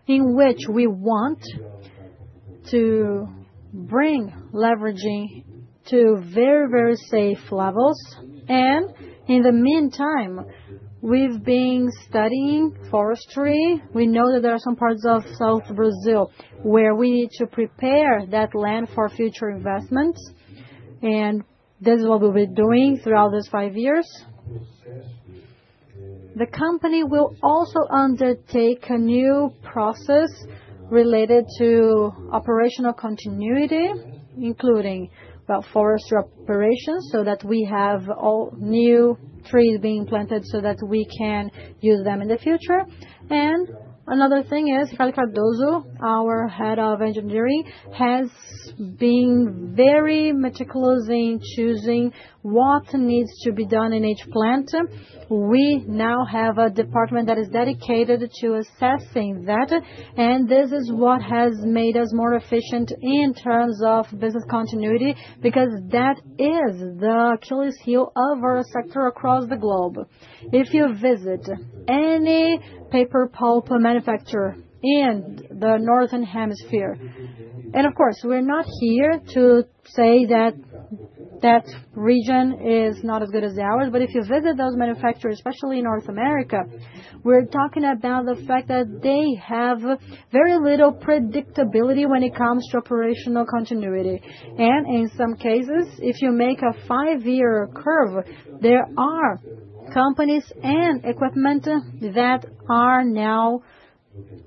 in which we want to bring leveraging to very, very safe levels, and in the meantime, we've been studying forestry. We know that there are some parts of South Brazil where we need to prepare that land for future investments, and this is what we've been doing throughout these five years. The company will also undertake a new process related to operational continuity, including forestry operations, so that we have all new trees being planted so that we can use them in the future. Another thing is, Ricardo Cardoso, our head of engineering, has been very meticulous in choosing what needs to be done in each plant. We now have a department that is dedicated to assessing that. This is what has made us more efficient in terms of business continuity because that is the Achilles heel of our sector across the globe. If you visit any paper pulp manufacturer in the Northern Hemisphere, and of course, we're not here to say that that region is not as good as ours, but if you visit those manufacturers, especially in North America, we're talking about the fact that they have very little predictability when it comes to operational continuity. In some cases, if you make a five-year curve, there are companies and equipment that are now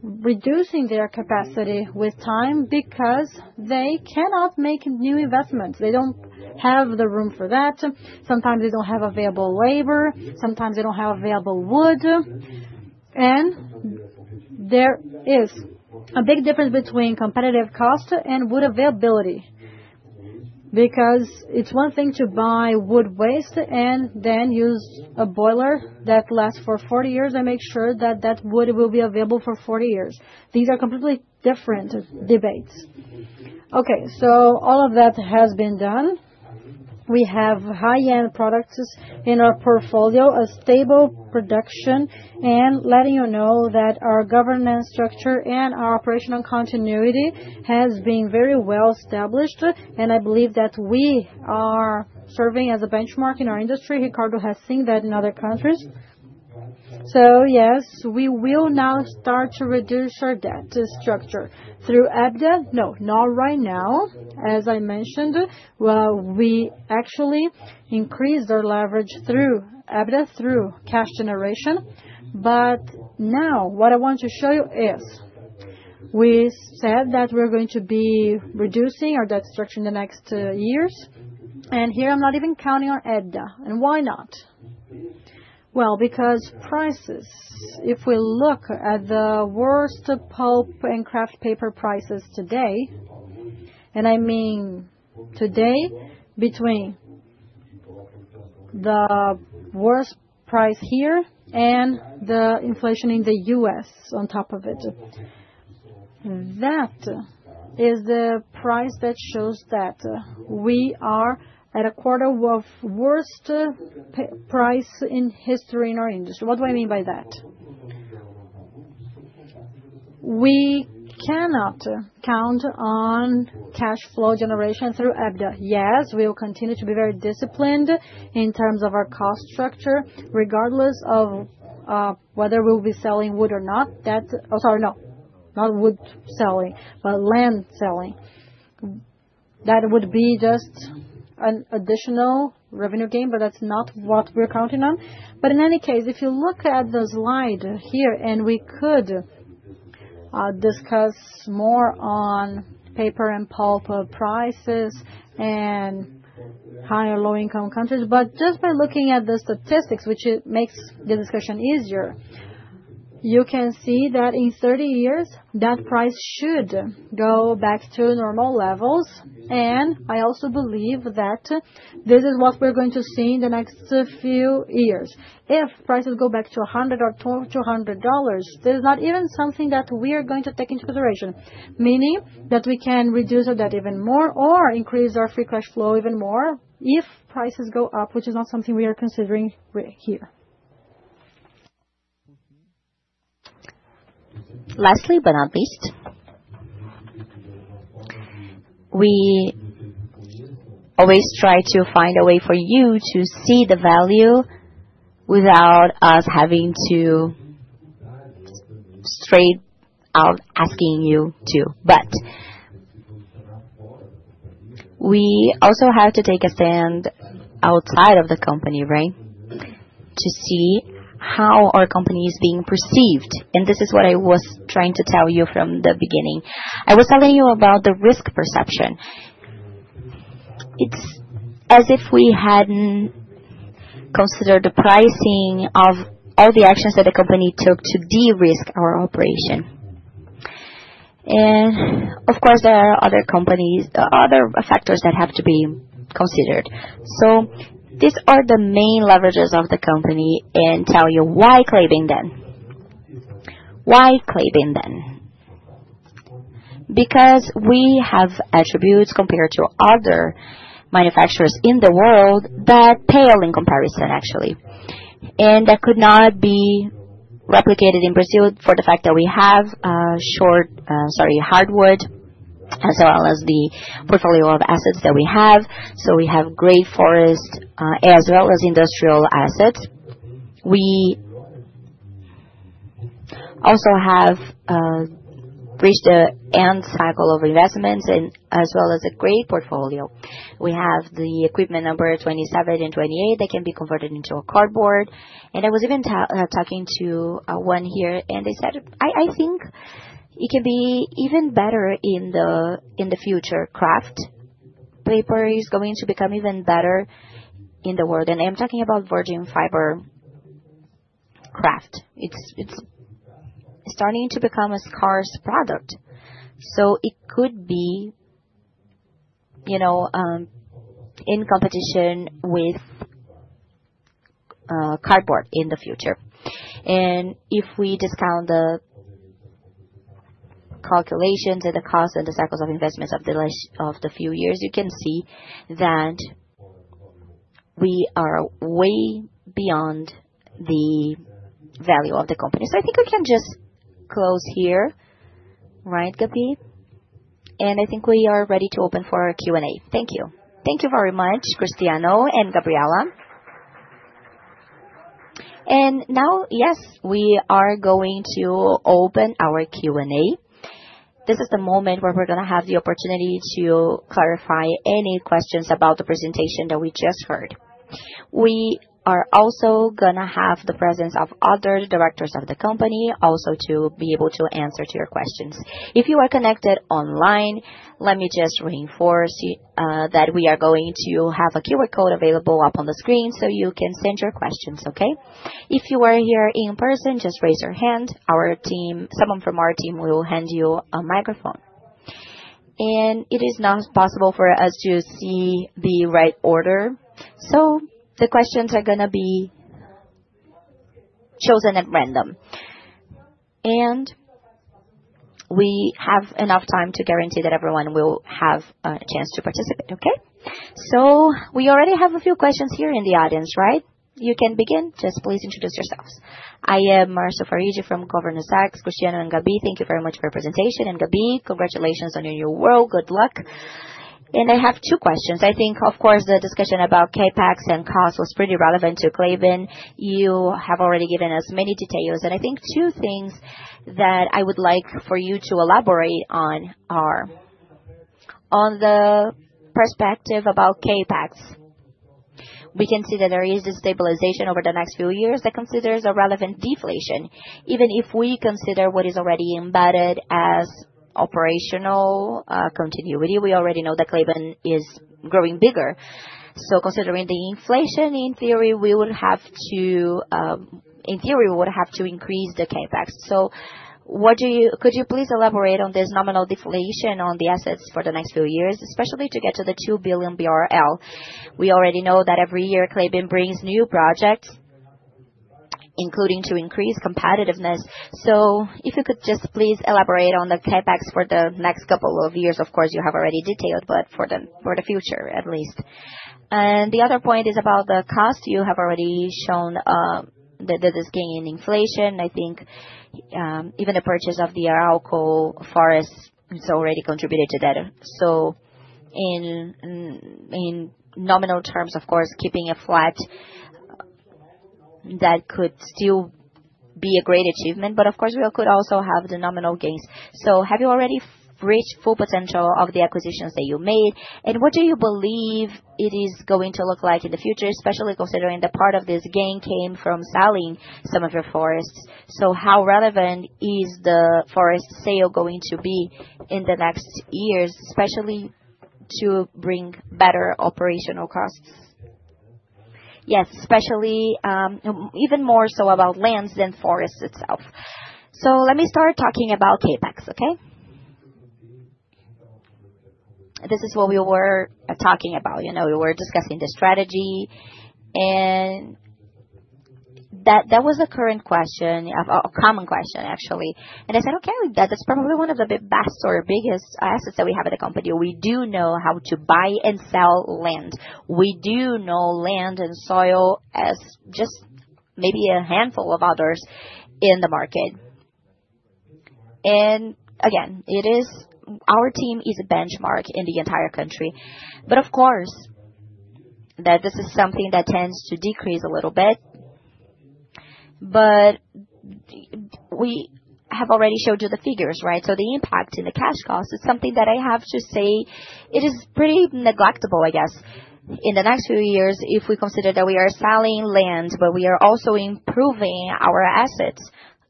reducing their capacity with time because they cannot make new investments. They don't have the room for that. Sometimes they don't have available labor. Sometimes they don't have available wood, and there is a big difference between competitive cost and wood availability because it's one thing to buy wood waste and then use a boiler that lasts for 40 years and make sure that that wood will be available for 40 years. These are completely different debates. Okay, so all of that has been done. We have high-end products in our portfolio, a stable production, and letting you know that our governance structure and our operational continuity has been very well established. I believe that we are serving as a benchmark in our industry. Ricardo has seen that in other companies. Yes, we will now start to reduce our debt structure through EBITDA. No, not right now. As I mentioned, we actually increased our leverage through EBITDA through cash generation. But now what I want to show you is we said that we're going to be reducing our debt structure in the next years. And here, I'm not even counting on EBITDA. And why not? Well, because prices, if we look at the worst pulp and kraft paper prices today, and I mean today, between the worst price here and the inflation in the U.S. on top of it, that is the price that shows that we are at a quarter of worst price in history in our industry. What do I mean by that? We cannot count on cash flow generation through EBITDA. Yes, we will continue to be very disciplined in terms of our cost structure, regardless of whether we'll be selling wood or not. Sorry, no, not wood selling, but land selling. That would be just an additional revenue gain, but that's not what we're counting on. But in any case, if you look at the slide here, and we could discuss more on paper and pulp prices in higher low-income countries, but just by looking at the statistics, which makes the discussion easier, you can see that in 30 years, that price should go back to normal levels, and I also believe that this is what we're going to see in the next few years. If prices go back to $100 or $200, this is not even something that we are going to take into consideration, meaning that we can reduce our debt even more or increase our free cash flow even more if prices go up, which is not something we are considering here. Lastly, but not least, we always try to find a way for you to see the value without us having to straight out asking you to. But we also have to take a stand outside of the company, right, to see how our company is being perceived. And this is what I was trying to tell you from the beginning. I was telling you about the risk perception. It's as if we hadn't considered the pricing of all the actions that the company took to de-risk our operation. Of course, there are other companies, other factors that have to be considered. These are the main leverages of the company and tell you why Klabin. Why Klabin? Because we have attributes compared to other manufacturers in the world that pale in comparison, actually. That could not be replicated in Brazil for the fact that we have short, sorry, hardwood, as well as the portfolio of assets that we have. We have great forest as well as industrial assets. We also have reached the end cycle of investments as well as a great portfolio. We have the equipment number 27 and 28 that can be converted into a cardboard. I was even talking to one here, and they said, "I think it can be even better in the future. Kraft paper is going to become even better in the world." And I'm talking about virgin fiber kraft. It's starting to become a scarce product. So it could be in competition with cardboard in the future. And if we discount the calculations and the cost and the cycles of investments of the few years, you can see that we are way beyond the value of the company. So I think we can just close here, right, Gabi? And I think we are ready to open for our Q&A. Thank you. Thank you very much, Cristiano and Gabriela. And now, yes, we are going to open our Q&A. This is the moment where we're going to have the opportunity to clarify any questions about the presentation that we just heard. We are also going to have the presence of other directors of the company also to be able to answer your questions. If you are connected online, let me just reinforce that we are going to have a QR code available up on the screen so you can send your questions, okay? If you are here in person, just raise your hand. Someone from our team will hand you a microphone. And it is not possible for us to see the right order. So the questions are going to be chosen at random. And we have enough time to guarantee that everyone will have a chance to participate, okay? So we already have a few questions here in the audience, right? You can begin. Just please introduce yourselves. I am Marcio Farid from Goldman Sachs. Cristiano and Gabi, thank you very much for your presentation. And Gabi, congratulations on your new role. Good luck. And I have two questions. I think, of course, the discussion about CapEx and cost was pretty relevant to Klabin. You have already given us many details. And I think two things that I would like for you to elaborate on are on the perspective about CapEx. We can see that there is disinflation over the next few years that considers a relevant deflation. Even if we consider what is already embedded as operational continuity, we already know that Klabin is growing bigger. So considering the inflation, in theory, we would have to increase the CapEx. So could you please elaborate on this nominal deflation on the assets for the next few years, especially to get to the 2 billion BRL? We already know that every year Klabin brings new projects, including to increase competitiveness. So if you could just please elaborate on the CapEx for the next couple of years, of course, you have already detailed, but for the future, at least. And the other point is about the cost. You have already shown that there's gain in inflation. I think even the purchase of the Arauco forests has already contributed to that. So in nominal terms, of course, keeping it flat, that could still be a great achievement, but of course, we could also have the nominal gains. So have you already reached full potential of the acquisitions that you made? And what do you believe it is going to look like in the future, especially considering that part of this gain came from selling some of your forests? So how relevant is the forest sale going to be in the next years, especially to bring better operational costs? Yes, especially even more so about lands than forests itself. So let me start talking about CapEx, okay? This is what we were talking about. We were discussing the strategy. And that was a current question, a common question, actually. And I said, "Okay, that's probably one of the best or biggest assets that we have at the company. We do know how to buy and sell land. We do know land and soil as just maybe a handful of others in the market." And again, our team is a benchmark in the entire country. But of course, this is something that tends to decrease a little bit. But we have already showed you the figures, right? So the impact in the cash cost is something that I have to say it is pretty neglectful, I guess. In the next few years, if we consider that we are selling land, but we are also improving our assets,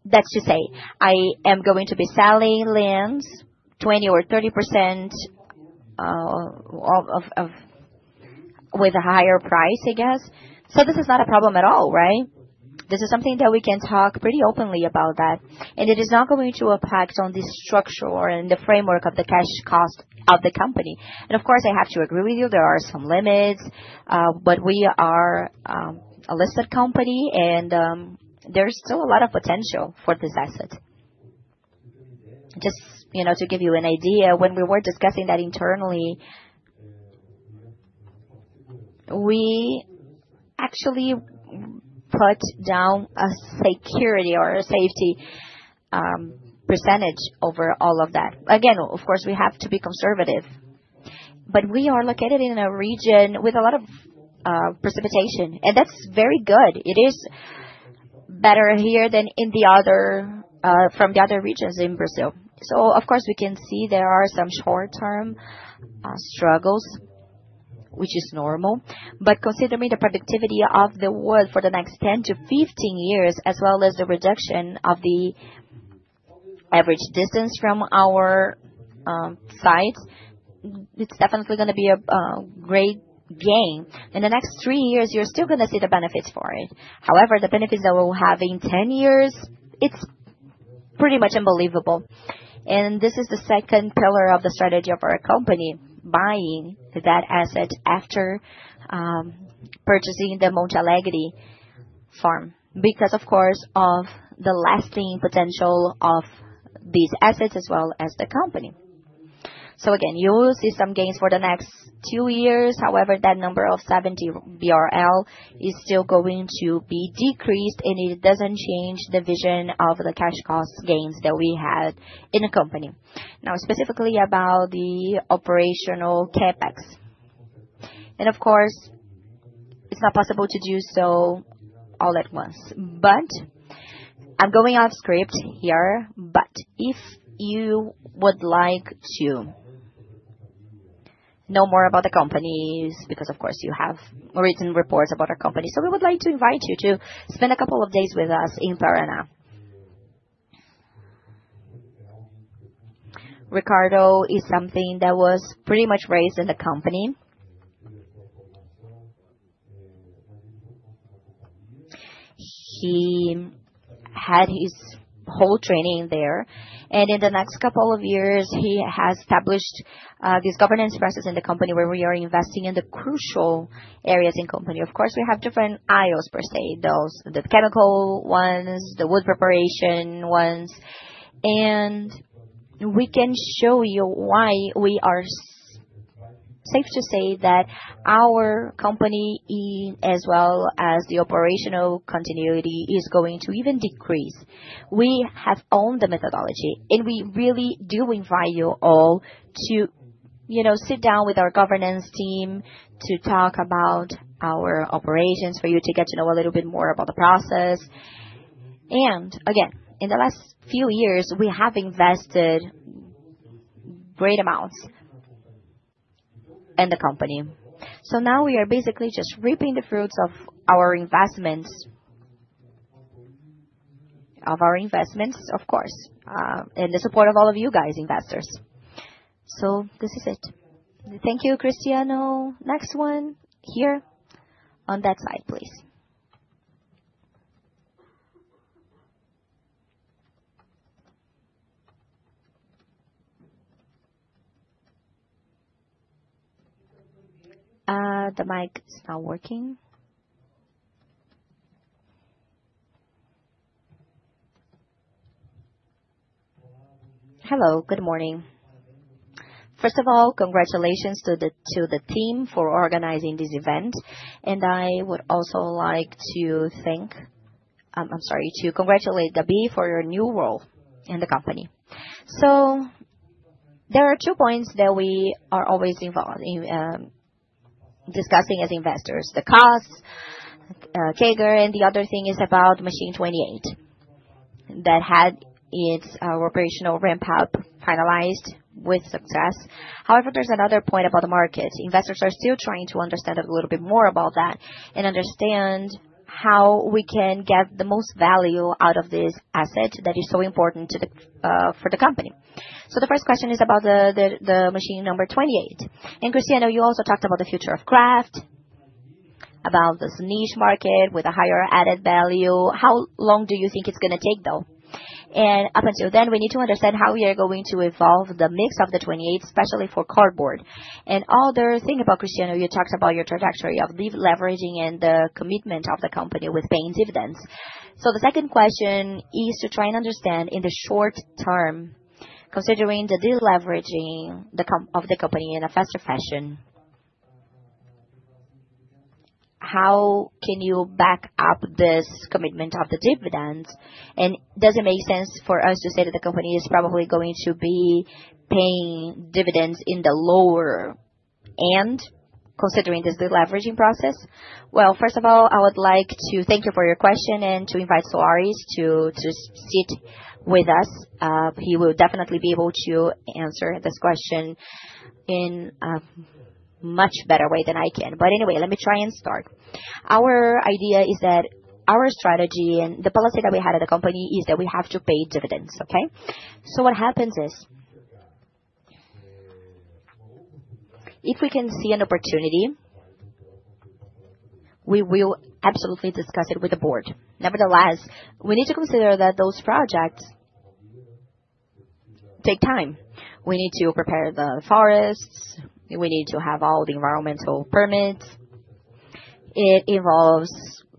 that's to say I am going to be selling lands 20% or 30% with a higher price, I guess. So this is not a problem at all, right? This is something that we can talk pretty openly about that. And it is not going to impact on the structure or in the framework of the cash cost of the company. And of course, I have to agree with you. There are some limits, but we are a listed company, and there's still a lot of potential for this asset. Just to give you an idea, when we were discussing that internally, we actually put down a security or a safety percentage over all of that. Again, of course, we have to be conservative. We are located in a region with a lot of precipitation, and that's very good. It is better here than from the other regions in Brazil. Of course, we can see there are some short-term struggles, which is normal, but considering the productivity of the wood for the next 10 to 15 years, as well as the reduction of the average distance from our sites, it's definitely going to be a great gain. In the next three years, you're still going to see the benefits for it. However, the benefits that we'll have in 10 years, it's pretty much unbelievable, and this is the second pillar of the strategy of our company, buying that asset after purchasing the Monte Alegre Farm because, of course, of the lasting potential of these assets as well as the company. Again, you will see some gains for the next two years. However, that number of 70 BRL is still going to be decreased, and it doesn't change the vision of the cash cost gains that we had in the company. Now, specifically about the operational CapEx. And of course, it's not possible to do so all at once. But I'm going off script here. But if you would like to know more about the companies because, of course, you have written reports about our company, so we would like to invite you to spend a couple of days with us in Paraná. Ricardo is something that was pretty much raised in the company. He had his whole training there. And in the next couple of years, he has established these governance processes in the company where we are investing in the crucial areas in company. Of course, we have different aisles per se, the chemical ones, the wood preparation ones. We can show you why we are safe to say that our company, as well as the operational continuity, is going to even decrease. We have owned the methodology, and we really do invite you all to sit down with our governance team to talk about our operations for you to get to know a little bit more about the process. Again, in the last few years, we have invested great amounts in the company. Now we are basically just reaping the fruits of our investments, of course, and the support of all of you guys, investors. This is it. Thank you, Cristiano. Next one here on that side, please. The mic is not working. Hello, good morning. First of all, congratulations to the team for organizing this event. And I would also like to thank, I'm sorry, to congratulate Gabi for your new role in the company. So there are two points that we are always discussing as investors. The cost, CAGR, and the other thing is about Machine 28 that had its operational ramp-up finalized with success. However, there's another point about the market. Investors are still trying to understand a little bit more about that and understand how we can get the most value out of this asset that is so important for the company. So the first question is about the machine number 28. And Cristiano, you also talked about the future of kraft, about this niche market with a higher added value. How long do you think it's going to take, though? And up until then, we need to understand how we are going to evolve the mix of the 28, especially for cardboard. Other thing about Cristiano, you talked about your trajectory of leveraging and the commitment of the company with paying dividends. The second question is to try and understand in the short term, considering the deleveraging of the company in a faster fashion, how can you back up this commitment of the dividends? And does it make sense for us to say that the company is probably going to be paying dividends in the lower end, considering this deleveraging process? First of all, I would like to thank you for your question and to invite José to sit with us. He will definitely be able to answer this question in a much better way than I can. But anyway, let me try and start. Our idea is that our strategy and the policy that we had at the company is that we have to pay dividends, okay? What happens is, if we can see an opportunity, we will absolutely discuss it with the board. Nevertheless, we need to consider that those projects take time. We need to prepare the forests. We need to have all the environmental permits. It involves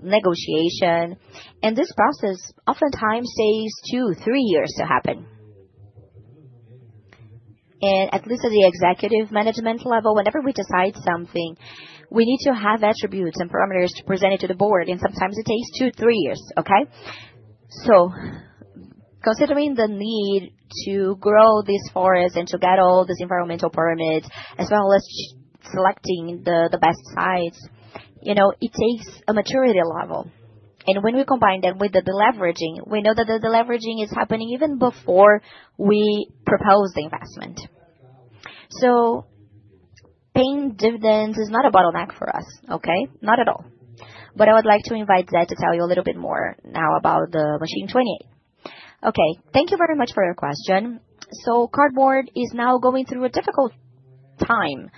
negotiation. And this process oftentimes takes two, three years to happen. And at least at the executive management level, whenever we decide something, we need to have attributes and parameters to present it to the board. And sometimes it takes two, three years, okay? So considering the need to grow this forest and to get all this environmental permit, as well as selecting the best sites, it takes a maturity level. And when we combine that with the deleveraging, we know that the deleveraging is happening even before we propose the investment. So paying dividends is not a bottleneck for us, okay? Not at all. But I would like to invite Zé to tell you a little bit more now about the Machine 28. Okay. Thank you very much for your question. So cardboard is now going through a difficult time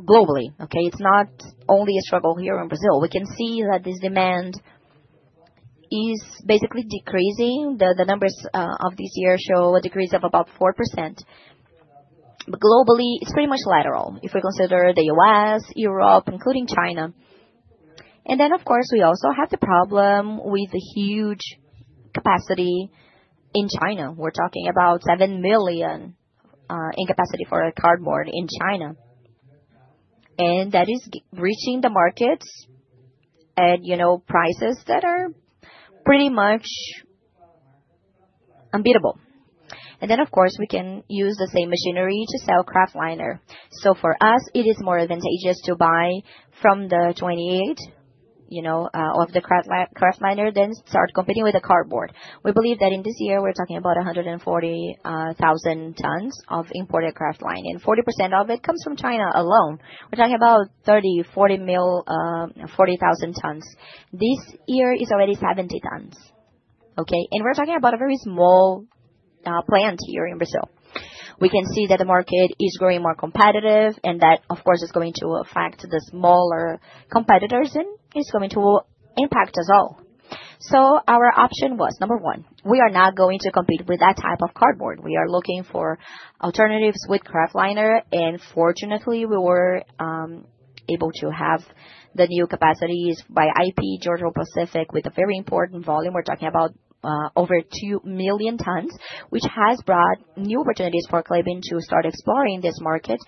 globally, okay? It's not only a struggle here in Brazil. We can see that this demand is basically decreasing. The numbers of this year show a decrease of about 4%. But globally, it's pretty much lateral if we consider the U.S., Europe, including China. And then, of course, we also have the problem with the huge capacity in China. We're talking about seven million in capacity for cardboard in China. And that is reaching the markets at prices that are pretty much unbeatable. And then, of course, we can use the same machinery to sell kraftliner. So for us, it is more advantageous to buy from the 28 of the kraftliner than start competing with the cardboard. We believe that in this year, we're talking about 140,000 tons of imported kraftliner. And 40% of it comes from China alone. We're talking about 30, 40,000 tons. This year is already 70 tons, okay? And we're talking about a very small plant here in Brazil. We can see that the market is growing more competitive and that, of course, is going to affect the smaller competitors and is going to impact us all. So our option was, number one, we are not going to compete with that type of cardboard. We are looking for alternatives with kraftliner. And fortunately, we were able to have the new capacities by IP, Georgia-Pacific with a very important volume. We're talking about over two million tons, which has brought new opportunities for Klabin to start exploring this market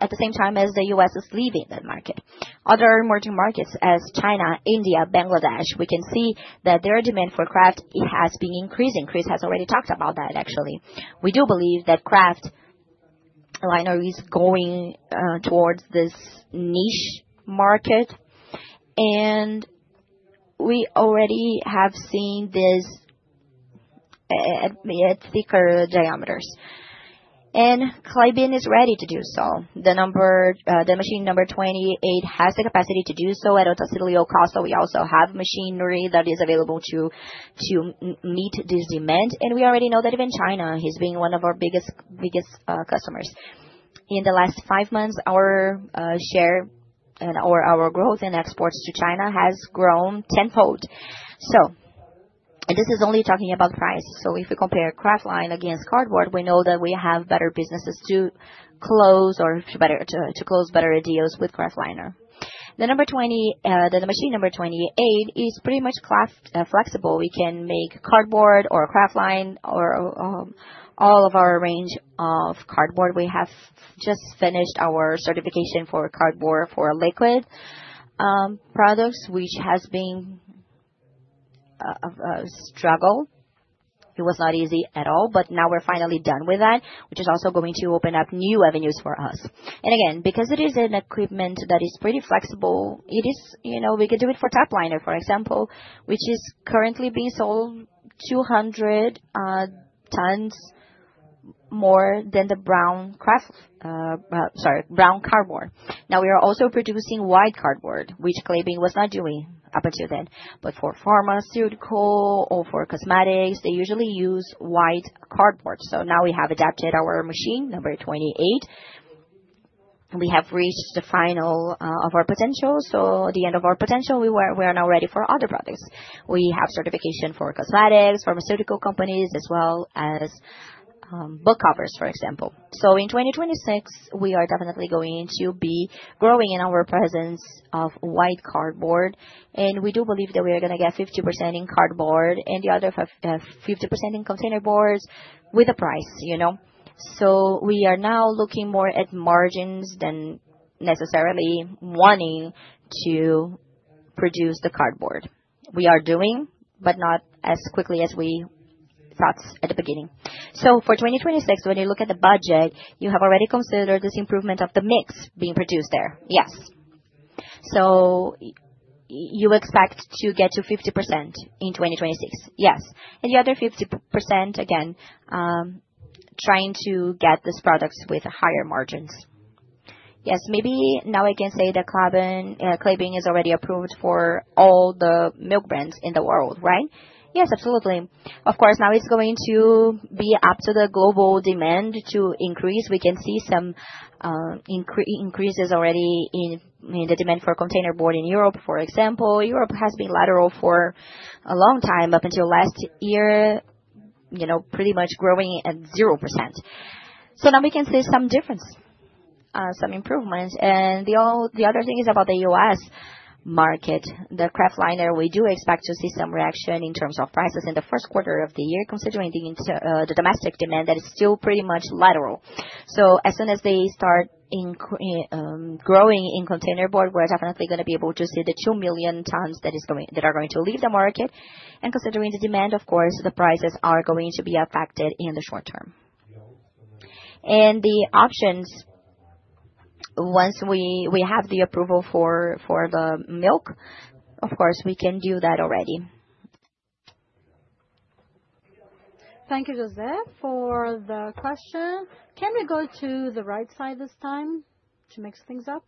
at the same time as the U.S. is leaving that market. Other emerging markets as China, India, Bangladesh, we can see that their demand for kraft has been increasing. Chris has already talked about that, actually. We do believe that kraftliner is going towards this niche market. And we already have seen this at thicker diameters. And Klabin is ready to do so. The Machine 28 has the capacity to do so at Otacílio Costa. We also have machinery that is available to meet this demand. And we already know that even China has been one of our biggest customers. In the last five months, our share and our growth in exports to China has grown tenfold. So this is only talking about price. If we compare kraftliner against cardboard, we know that we have better businesses to close or to close better deals with kraftliner. The Machine 28 is pretty much kraft flexible. We can make cardboard or kraftliner or all of our range of cardboard. We have just finished our certification for cardboard for liquid products, which has been a struggle. It was not easy at all, but now we're finally done with that, which is also going to open up new avenues for us, and again, because it is an equipment that is pretty flexible, we can do it for topliner, for example, which is currently being sold 200 tons more than the brown kraft, sorry, brown cardboard. Now, we are also producing white cardboard, which Klabin was not doing up until then, but for pharmaceutical or for cosmetics, they usually use white cardboard. So now we have adapted our Machine 28. We have reached the final of our potential. So at the end of our potential, we are now ready for other products. We have certification for cosmetics, pharmaceutical companies, as well as book covers, for example. So in 2026, we are definitely going to be growing in our presence of white cardboard. And we do believe that we are going to get 50% in cardboard and the other 50% in containerboard with a price. So we are now looking more at margins than necessarily wanting to produce the cardboard. We are doing, but not as quickly as we thought at the beginning. So for 2026, when you look at the budget, you have already considered this improvement of the mix being produced there. Yes. So you expect to get to 50% in 2026. Yes. And the other 50%, again, trying to get these products with higher margins. Yes. Maybe now I can say that Klabin is already approved for all the milk brands in the world, right? Yes, absolutely. Of course, now it's going to be up to the global demand to increase. We can see some increases already in the demand for containerboard in Europe, for example. Europe has been lateral for a long time, up until last year, pretty much growing at 0%. So now we can see some difference, some improvement. And the other thing is about the U.S. market. The kraftliner, we do expect to see some reaction in terms of prices in the first quarter of the year, considering the domestic demand that is still pretty much lateral. So as soon as they start growing in containerboard, we're definitely going to be able to see the two million tons that are going to leave the market. And considering the demand, of course, the prices are going to be affected in the short term. And the options, once we have the approval for the mill, of course, we can do that already. Thank you, José, for the question. Can we go to the right side this time to mix things up?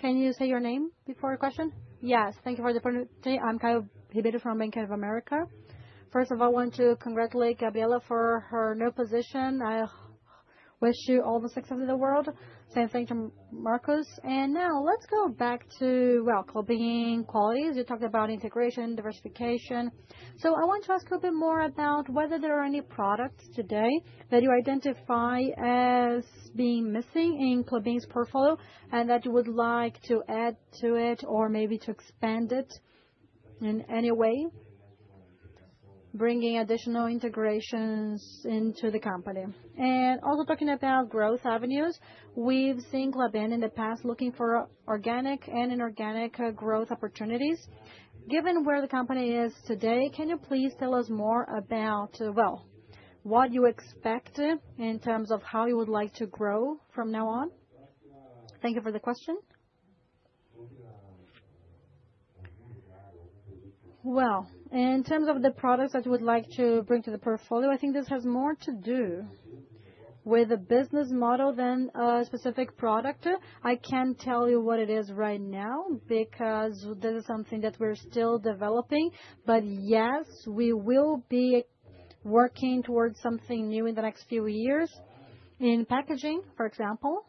Can you say your name before the question? Yes. Thank you for the opportunity. I'm Caio Ribeiro from Bank of America. First of all, I want to congratulate Gabriela Woge for her new position. I wish you all the success in the world. Same thing to Marcos Ivo. And now let's go back to, well, Klabin quality. You talked about integration, diversification. I want to ask you a bit more about whether there are any products today that you identify as being missing in Klabin's portfolio and that you would like to add to it or maybe to expand it in any way, bringing additional integrations into the company. And also talking about growth avenues, we've seen Klabin in the past looking for organic and inorganic growth opportunities. Given where the company is today, can you please tell us more about, well, what you expect in terms of how you would like to grow from now on? Thank you for the question. In terms of the products that you would like to bring to the portfolio, I think this has more to do with a business model than a specific product. I can't tell you what it is right now because this is something that we're still developing. But yes, we will be working towards something new in the next few years. In packaging, for example,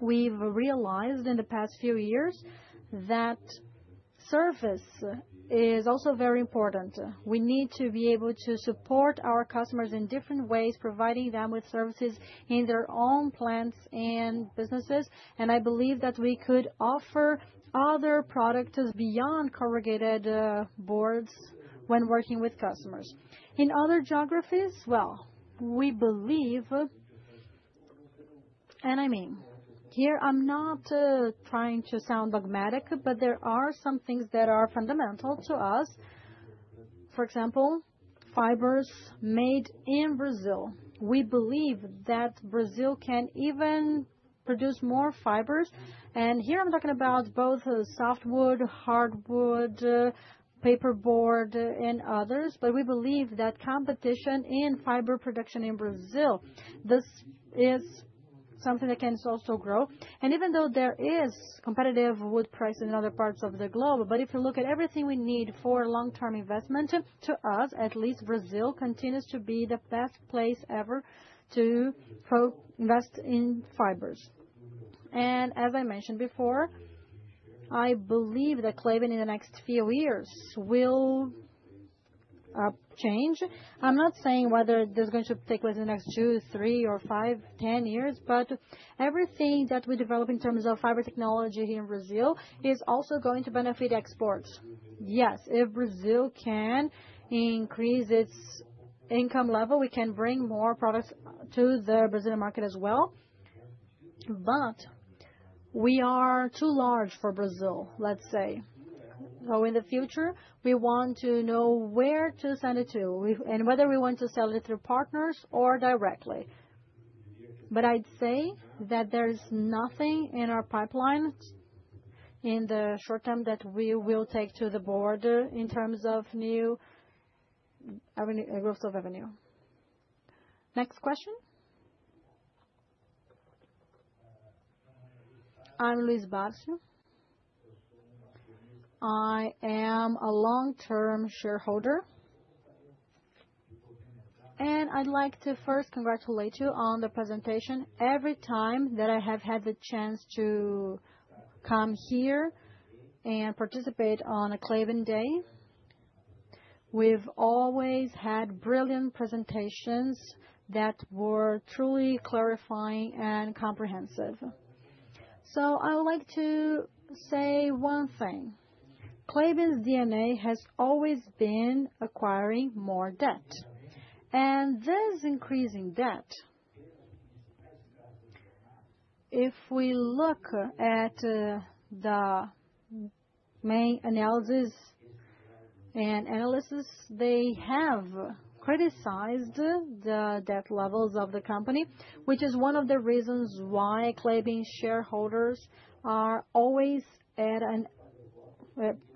we've realized in the past few years that service is also very important. We need to be able to support our customers in different ways, providing them with services in their own plants and businesses. And I believe that we could offer other products beyond corrugated boards when working with customers. In other geographies, well, we believe, and I mean, here, I'm not trying to sound dogmatic, but there are some things that are fundamental to us. For example, fibers made in Brazil. We believe that Brazil can even produce more fibers. And here I'm talking about both softwood, hardwood, paperboard, and others. But we believe that competition in fiber production in Brazil, this is something that can also grow. Even though there is competitive wood price in other parts of the globe, but if you look at everything we need for long-term investment, to us, at least Brazil continues to be the best place ever to invest in fibers. As I mentioned before, I believe that Klabin in the next few years will change. I'm not saying whether it's going to take place in the next two, three, or five, 10 years, but everything that we develop in terms of fiber technology here in Brazil is also going to benefit exports. Yes, if Brazil can increase its income level, we can bring more products to the Brazilian market as well. We are too large for Brazil, let's say. In the future, we want to know where to send it to and whether we want to sell it through partners or directly. But I'd say that there's nothing in our pipeline in the short term that we will take to the board in terms of new growth avenue. Next question. I'm Luiz Barsi. I am a long-term shareholder. And I'd like to first congratulate you on the presentation. Every time that I have had the chance to come here and participate on a Klabin Day, we've always had brilliant presentations that were truly clarifying and comprehensive. So I would like to say one thing. Klabin's DNA has always been acquiring more debt. And this increasing debt, if we look at the main analysts, they have criticized the debt levels of the company, which is one of the reasons why Klabin's shareholders are always at an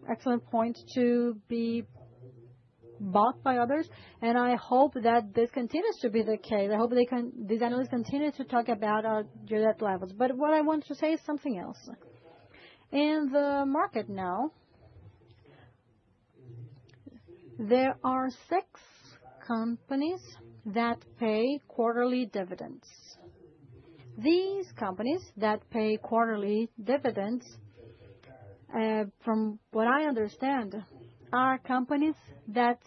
excellent point to be bought by others. And I hope that this continues to be the case. I hope these analysts continue to talk about their debt levels, but what I want to say is something else. In the market now, there are six companies that pay quarterly dividends. These companies that pay quarterly dividends, from what I understand, are companies that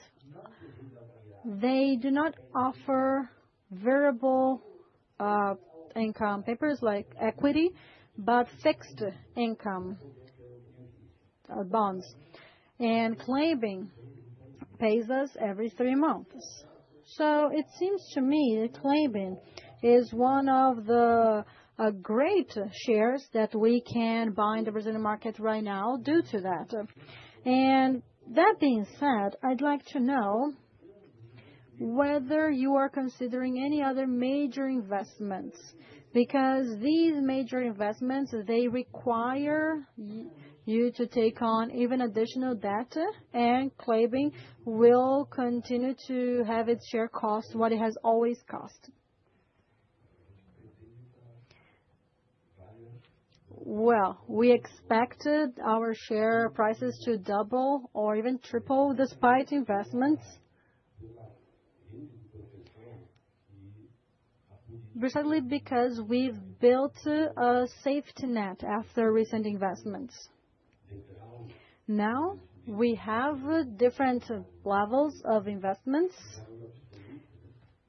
they do not offer variable income papers like equity, but fixed income bonds. Klabin pays us every three months, so it seems to me that Klabin is one of the great shares that we can buy in the Brazilian market right now due to that. That being said, I'd like to know whether you are considering any other major investments because these major investments, they require you to take on even additional debt, and Klabin will continue to have its share cost what it has always cost. We expected our share prices to double or even triple despite investments, certainly because we've built a safety net after recent investments. Now, we have different levels of investments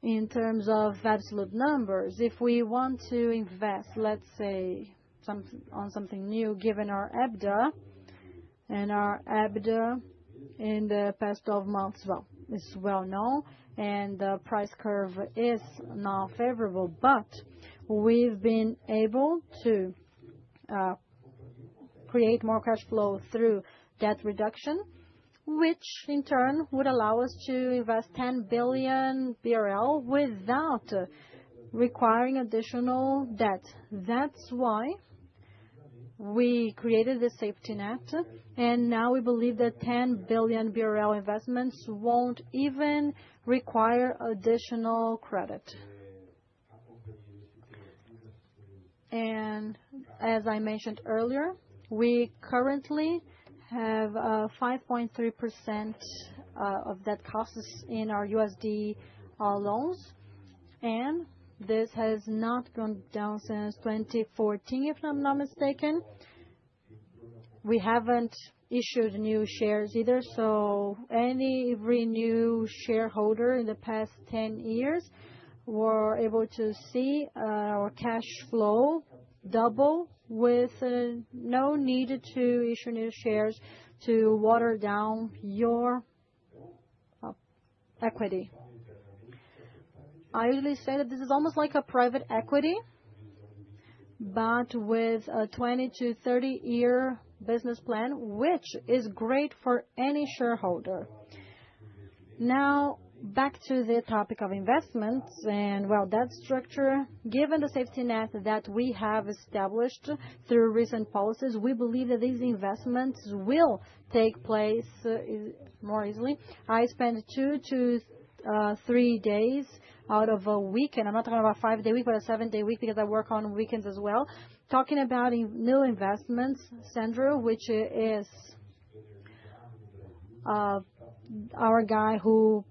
in terms of absolute numbers. If we want to invest, let's say, on something new, given our EBITDA and our EBITDA in the past 12 months, well, is well known, and the price curve is now favorable, but we've been able to create more cash flow through debt reduction, which in turn would allow us to invest 10 billion BRL without requiring additional debt. That's why we created the safety net, and now we believe that 10 billion BRL investments won't even require additional credit. As I mentioned earlier, we currently have 5.3% of debt costs in our USD loans, and this has not gone down since 2014, if I'm not mistaken. We haven't issued new shares either. So every new shareholder in the past 10 years were able to see our cash flow double with no need to issue new shares to water down your equity. I usually say that this is almost like a private equity, but with a 20-30-year business plan, which is great for any shareholder. Now, back to the topic of investments, and well, that structure, given the safety net that we have established through recent policies, we believe that these investments will take place more easily. I spend two to three days out of a week, and I'm not talking about a five-day week but a seven-day week because I work on weekends as well. Talking about new investments, Sandro, which is our guy who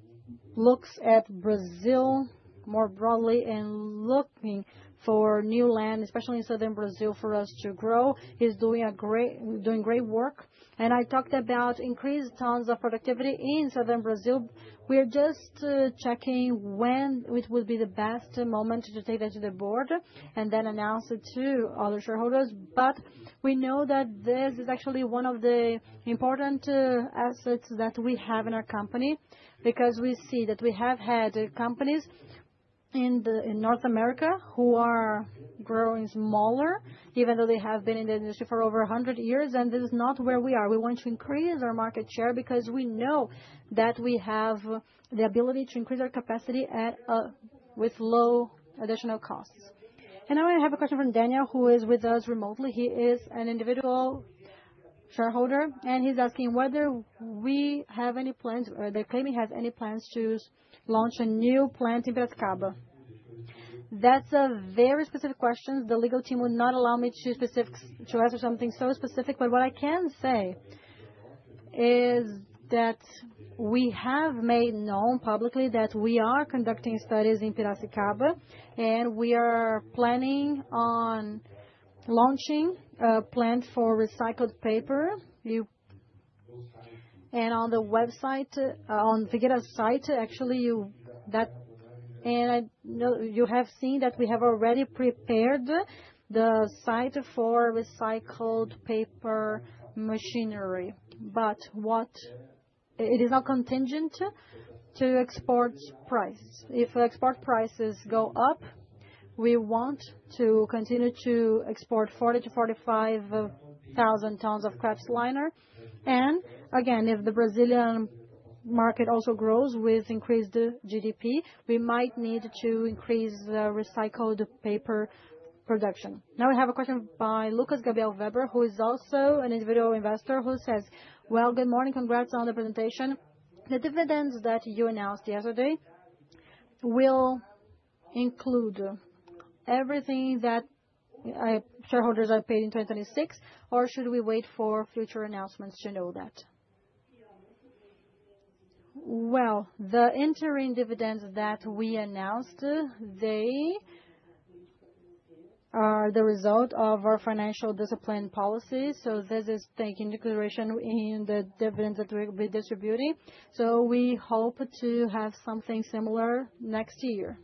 looks at Brazil more broadly and looking for new land, especially in Southern Brazil, for us to grow, is doing great work. I talked about increased tons of productivity in Southern Brazil. We are just checking when it would be the best moment to take that to the board and then announce it to other shareholders. We know that this is actually one of the important assets that we have in our company because we see that we have had companies in North America who are growing smaller, even though they have been in the industry for over 100 years, and this is not where we are. We want to increase our market share because we know that we have the ability to increase our capacity with low additional costs. Now I have a question from Daniel, who is with us remotely. He is an individual shareholder, and he's asking whether we have any plans or that Klabin has any plans to launch a new plant in Piracicaba. That's a very specific question. The legal team would not allow me to answer something so specific, but what I can say is that we have made known publicly that we are conducting studies in Piracicaba, and we are planning on launching a plant for recycled paper, and on the website, on Figueira site, actually, you have seen that we have already prepared the site for recycled paper machinery, but it is not contingent to export price. If export prices go up, we want to continue to export 40,000 to 45,000 tons of kraftliner. And again, if the Brazilian market also grows with increased GDP, we might need to increase recycled paper production. Now, we have a question by Lucas Gabriel Weber, who is also an individual investor, who says, "Well, good morning. Congrats on the presentation. The dividends that you announced yesterday will include everything that shareholders are paid in 2026, or should we wait for future announcements to know that? The interim dividends that we announced, they are the result of our financial discipline policy. So this is taking consideration in the dividends that we'll be distributing. So we hope to have something similar next year.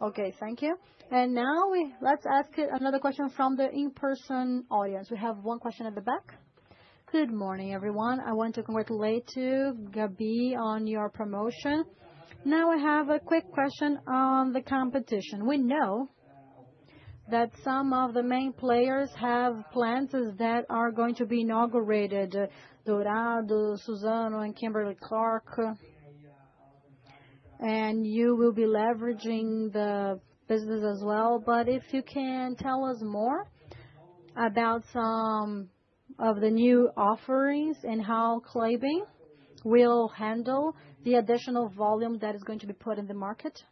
Okay, thank you. Now let's ask another question from the in-person audience. We have one question at the back. Good morning, everyone. I want to congratulate you, Gabi, on your promotion. Now, I have a quick question on the competition. We know that some of the main players have plans that are going to be inaugurated: Eldorado, Suzano, and Kimberly-Clark. And you will be leveraging the business as well. But if you can tell us more about some of the new offerings and how Klabin will handle the additional volume that is going to be put in the market?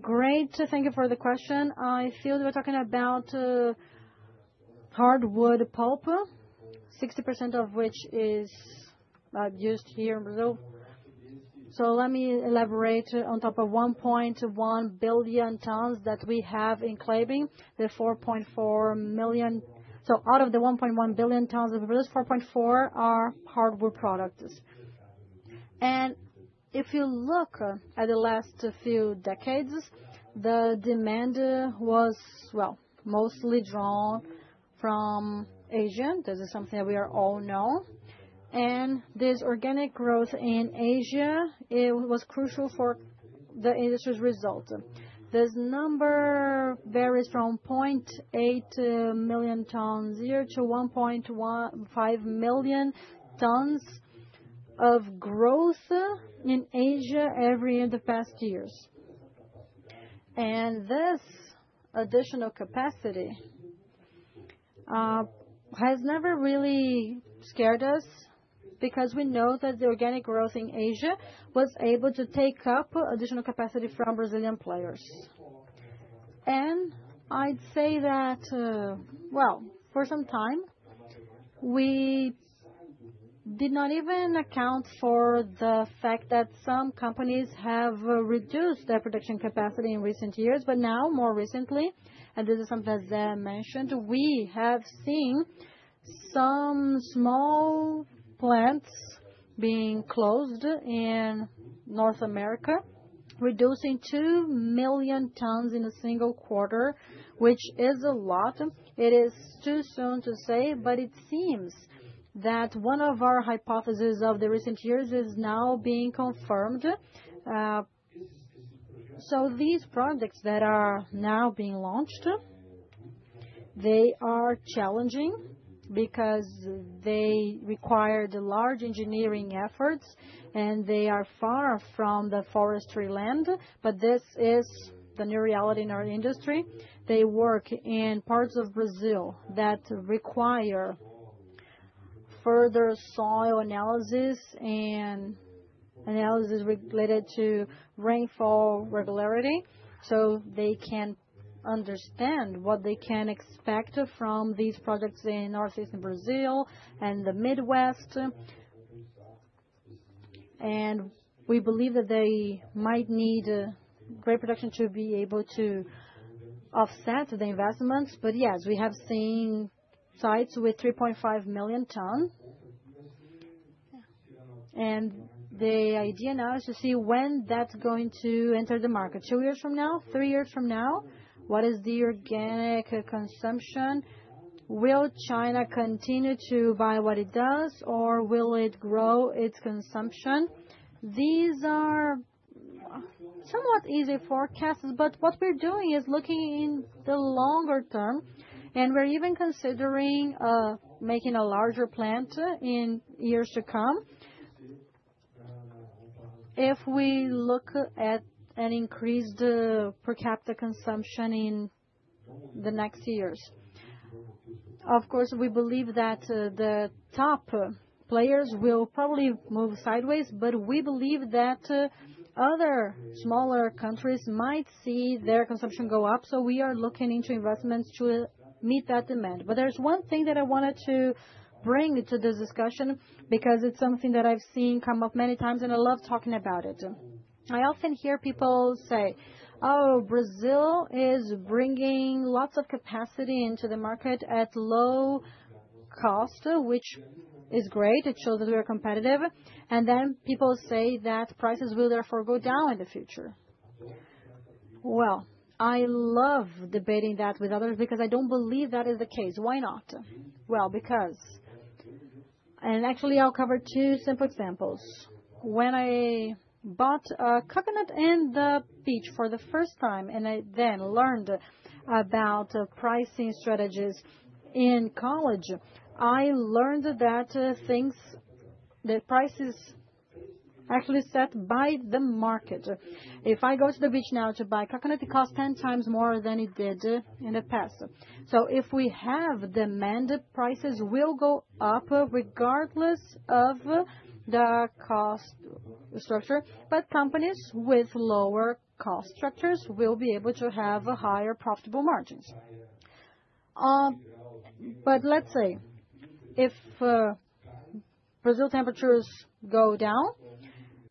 Great, thank you for the question. I feel we're talking about hardwood pulp, 60% of which is used here in Brazil. So let me elaborate on top of 1.1 billion tons that we have in Klabin, the 4.4 million. So out of the 1.1 billion tons of Brazil, 4.4 are hardwood products. And if you look at the last few decades, the demand was, well, mostly drawn from Asia. This is something that we all know. And this organic growth in Asia was crucial for the industry's result. This number varies from 0.8 million tons a year to 1.5 million tons of growth in Asia every year in the past years. This additional capacity has never really scared us because we know that the organic growth in Asia was able to take up additional capacity from Brazilian players. I'd say that, well, for some time, we did not even account for the fact that some companies have reduced their production capacity in recent years. Now, more recently, and this is something that Zé mentioned, we have seen some small plants being closed in North America, reducing two million tons in a single quarter, which is a lot. It is too soon to say, but it seems that one of our hypotheses of the recent years is now being confirmed. These projects that are now being launched, they are challenging because they require large engineering efforts, and they are far from the forestry land. This is the new reality in our industry. They work in parts of Brazil that require further soil analysis and analysis related to rainfall regularity so they can understand what they can expect from these projects in Northeast Brazil and the Midwest, and we believe that they might need great production to be able to offset the investments, but yes, we have seen sites with 3.5 million tons, and the idea now is to see when that's going to enter the market. Two years from now, three years from now, what is the organic consumption? Will China continue to buy what it does, or will it grow its consumption? These are somewhat easy forecasts, but what we're doing is looking in the longer term, and we're even considering making a larger plant in years to come if we look at an increased per capita consumption in the next years. Of course, we believe that the top players will probably move sideways, but we believe that other smaller countries might see their consumption go up. So we are looking into investments to meet that demand. But there's one thing that I wanted to bring to this discussion because it's something that I've seen come up many times, and I love talking about it. I often hear people say, "Oh, Brazil is bringing lots of capacity into the market at low cost," which is great. It shows that we are competitive. And then people say that prices will therefore go down in the future. Well, I love debating that with others because I don't believe that is the case. Why not? Well, because, and actually, I'll cover two simple examples. When I bought coconut and peach for the first time, and I then learned about pricing strategies in college, I learned that prices are actually set by the market. If I go to the beach now to buy coconut, it costs 10 times more than it did in the past. So if we have demand, prices will go up regardless of the cost structure. But companies with lower cost structures will be able to have higher profitable margins. But let's say if Brazil temperatures go down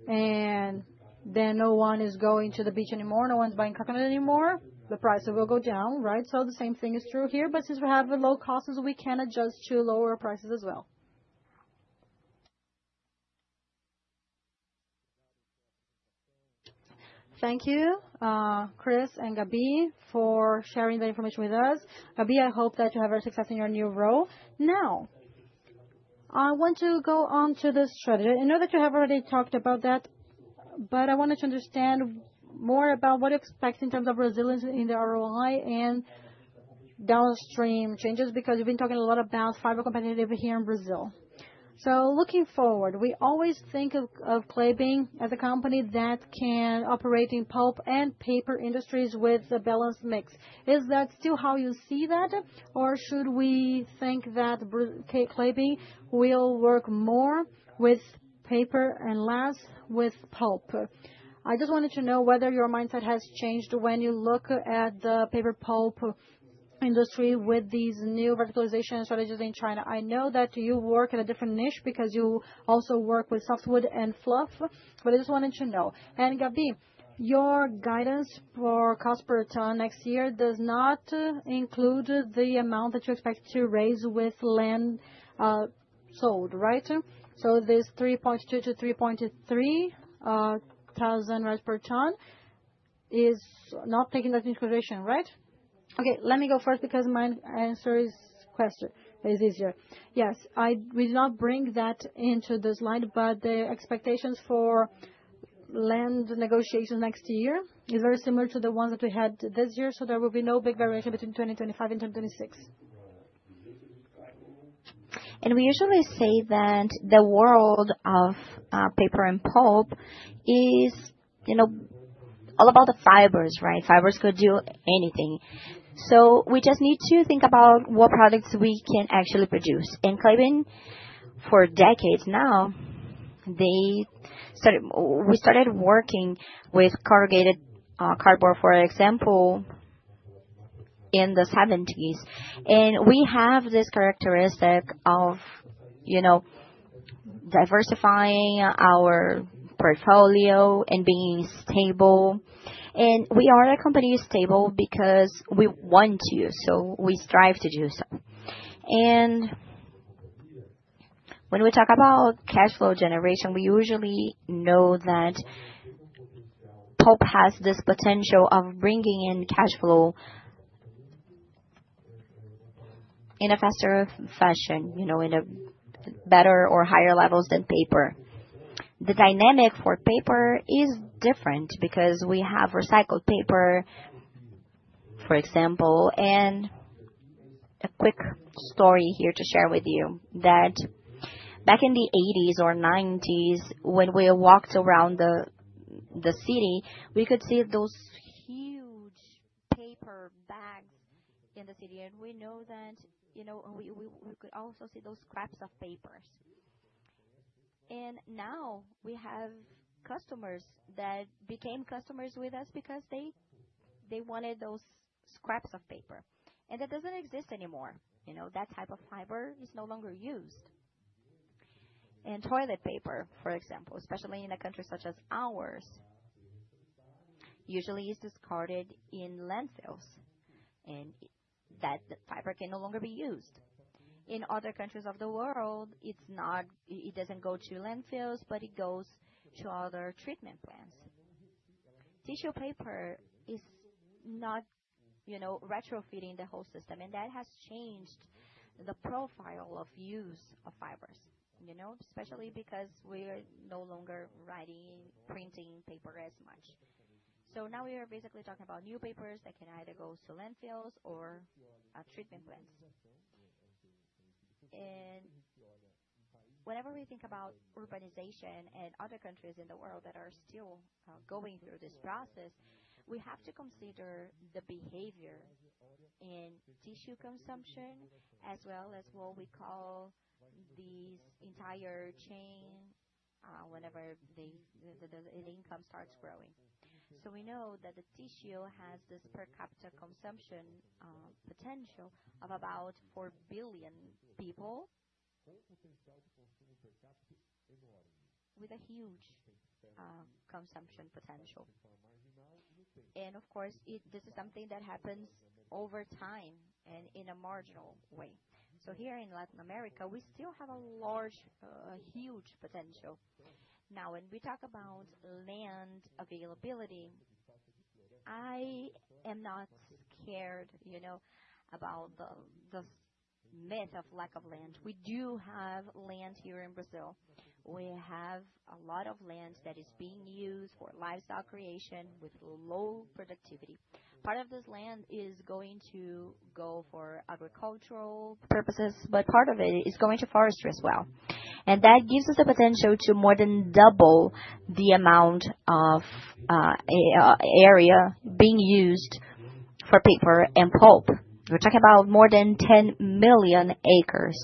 and then no one is going to the beach anymore, no one's buying coconut anymore, the prices will go down, right? So the same thing is true here. But since we have low costs, we can adjust to lower prices as well. Thank you, Chris and Gabi, for sharing the information with us. Gabi, I hope that you have success in your new role. Now, I want to go on to the strategy. I know that you have already talked about that, but I wanted to understand more about what to expect in terms of resilience in the ROI and downstream changes because we've been talking a lot about fiber competition here in Brazil. So looking forward, we always think of Klabin as a company that can operate in pulp and paper industries with a balanced mix. Is that still how you see that, or should we think that Klabin will work more with paper and less with pulp? I just wanted to know whether your mindset has changed when you look at the pulp and paper industry with these new verticalization strategies in China. I know that you work in a different niche because you also work with softwood and fluff, but I just wanted to know. Gabi, your guidance for cost per ton next year does not include the amount that you expect to raise with land sold, right? So this 3200 to 3.3,000 reais per ton is not taking that into consideration, right? Okay, let me go first because my answer is easier. Yes, we did not bring that into this line, but the expectations for land negotiations next year are very similar to the ones that we had this year, so there will be no big variation between 2025 and 2026. And we usually say that the world of paper and pulp is all about the fibers, right? Fibers could do anything. So we just need to think about what products we can actually produce. And Klabin, for decades now, we started working with corrugated cardboard, for example, in the 1970s. And we have this characteristic of diversifying our portfolio and being stable. And we are a company stable because we want to, so we strive to do so. And when we talk about cash flow generation, we usually know that pulp has this potential of bringing in cash flow in a faster fashion, in better or higher levels than paper. The dynamic for paper is different because we have recycled paper, for example. And a quick story here to share with you that back in the 1980s or 1990s, when we walked around the city, we could see those huge paper bags in the city. And we know that we could also see those scraps of papers. And now we have customers that became customers with us because they wanted those scraps of paper. And that doesn't exist anymore. That type of fiber is no longer used. Toilet paper, for example, especially in a country such as ours, usually is discarded in landfills, and that fiber can no longer be used. In other countries of the world, it doesn't go to landfills, but it goes to other treatment plants. Tissue paper is not retrofitting the whole system, and that has changed the profile of use of fibers, especially because we are no longer writing and printing paper as much. So now we are basically talking about new papers that can either go to landfills or treatment plants. Whenever we think about urbanization and other countries in the world that are still going through this process, we have to consider the behavior in tissue consumption as well as what we call this entire chain whenever the income starts growing. We know that the tissue has this per capita consumption potential of about four billion people with a huge consumption potential. Of course, this is something that happens over time and in a marginal way. Here in Latin America, we still have a huge potential. Now, when we talk about land availability, I am not scared about the myth of lack of land. We do have land here in Brazil. We have a lot of land that is being used for livestock creation with low productivity. Part of this land is going to go for agricultural purposes, but part of it is going to forestry as well. That gives us the potential to more than double the amount of area being used for paper and pulp. We're talking about more than 10 million acres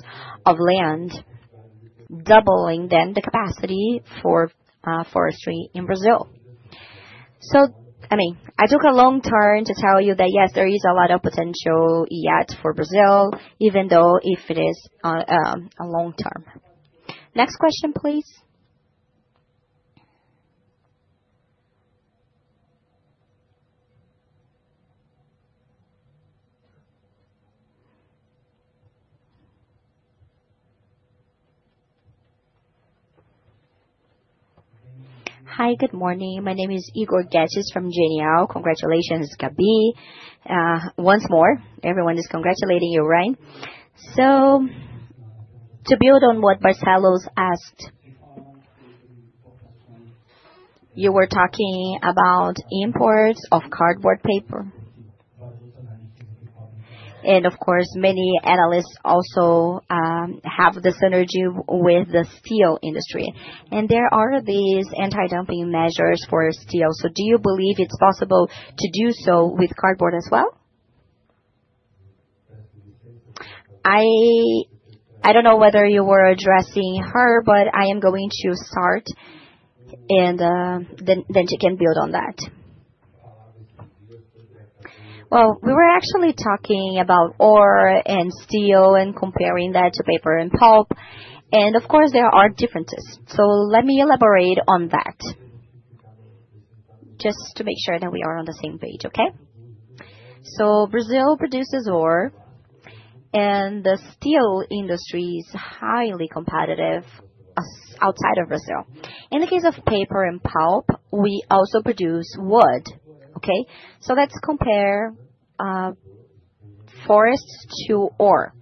of land, doubling then the capacity for forestry in Brazil. I mean, I took a long turn to tell you that, yes, there is a lot of potential yet for Brazil, even though if it is a long term. Next question, please. Hi, good morning. My name is Igor Guedes from Genial. Congratulations, Gabi. Once more, everyone is congratulating you, right? To build on what Barcia asked, you were talking about imports of cardboard paper. And of course, many analysts also have the synergy with the steel industry. And there are these anti-dumping measures for steel. So do you believe it's possible to do so with cardboard as well? I don't know whether you were addressing her, but I am going to start, and then she can build on that. We were actually talking about ore and steel and comparing that to paper and pulp. And of course, there are differences. So let me elaborate on that just to make sure that we are on the same page, okay? So Brazil produces ore, and the steel industry is highly competitive outside of Brazil. In the case of paper and pulp, we also produce wood, okay? So let's compare forests to ore.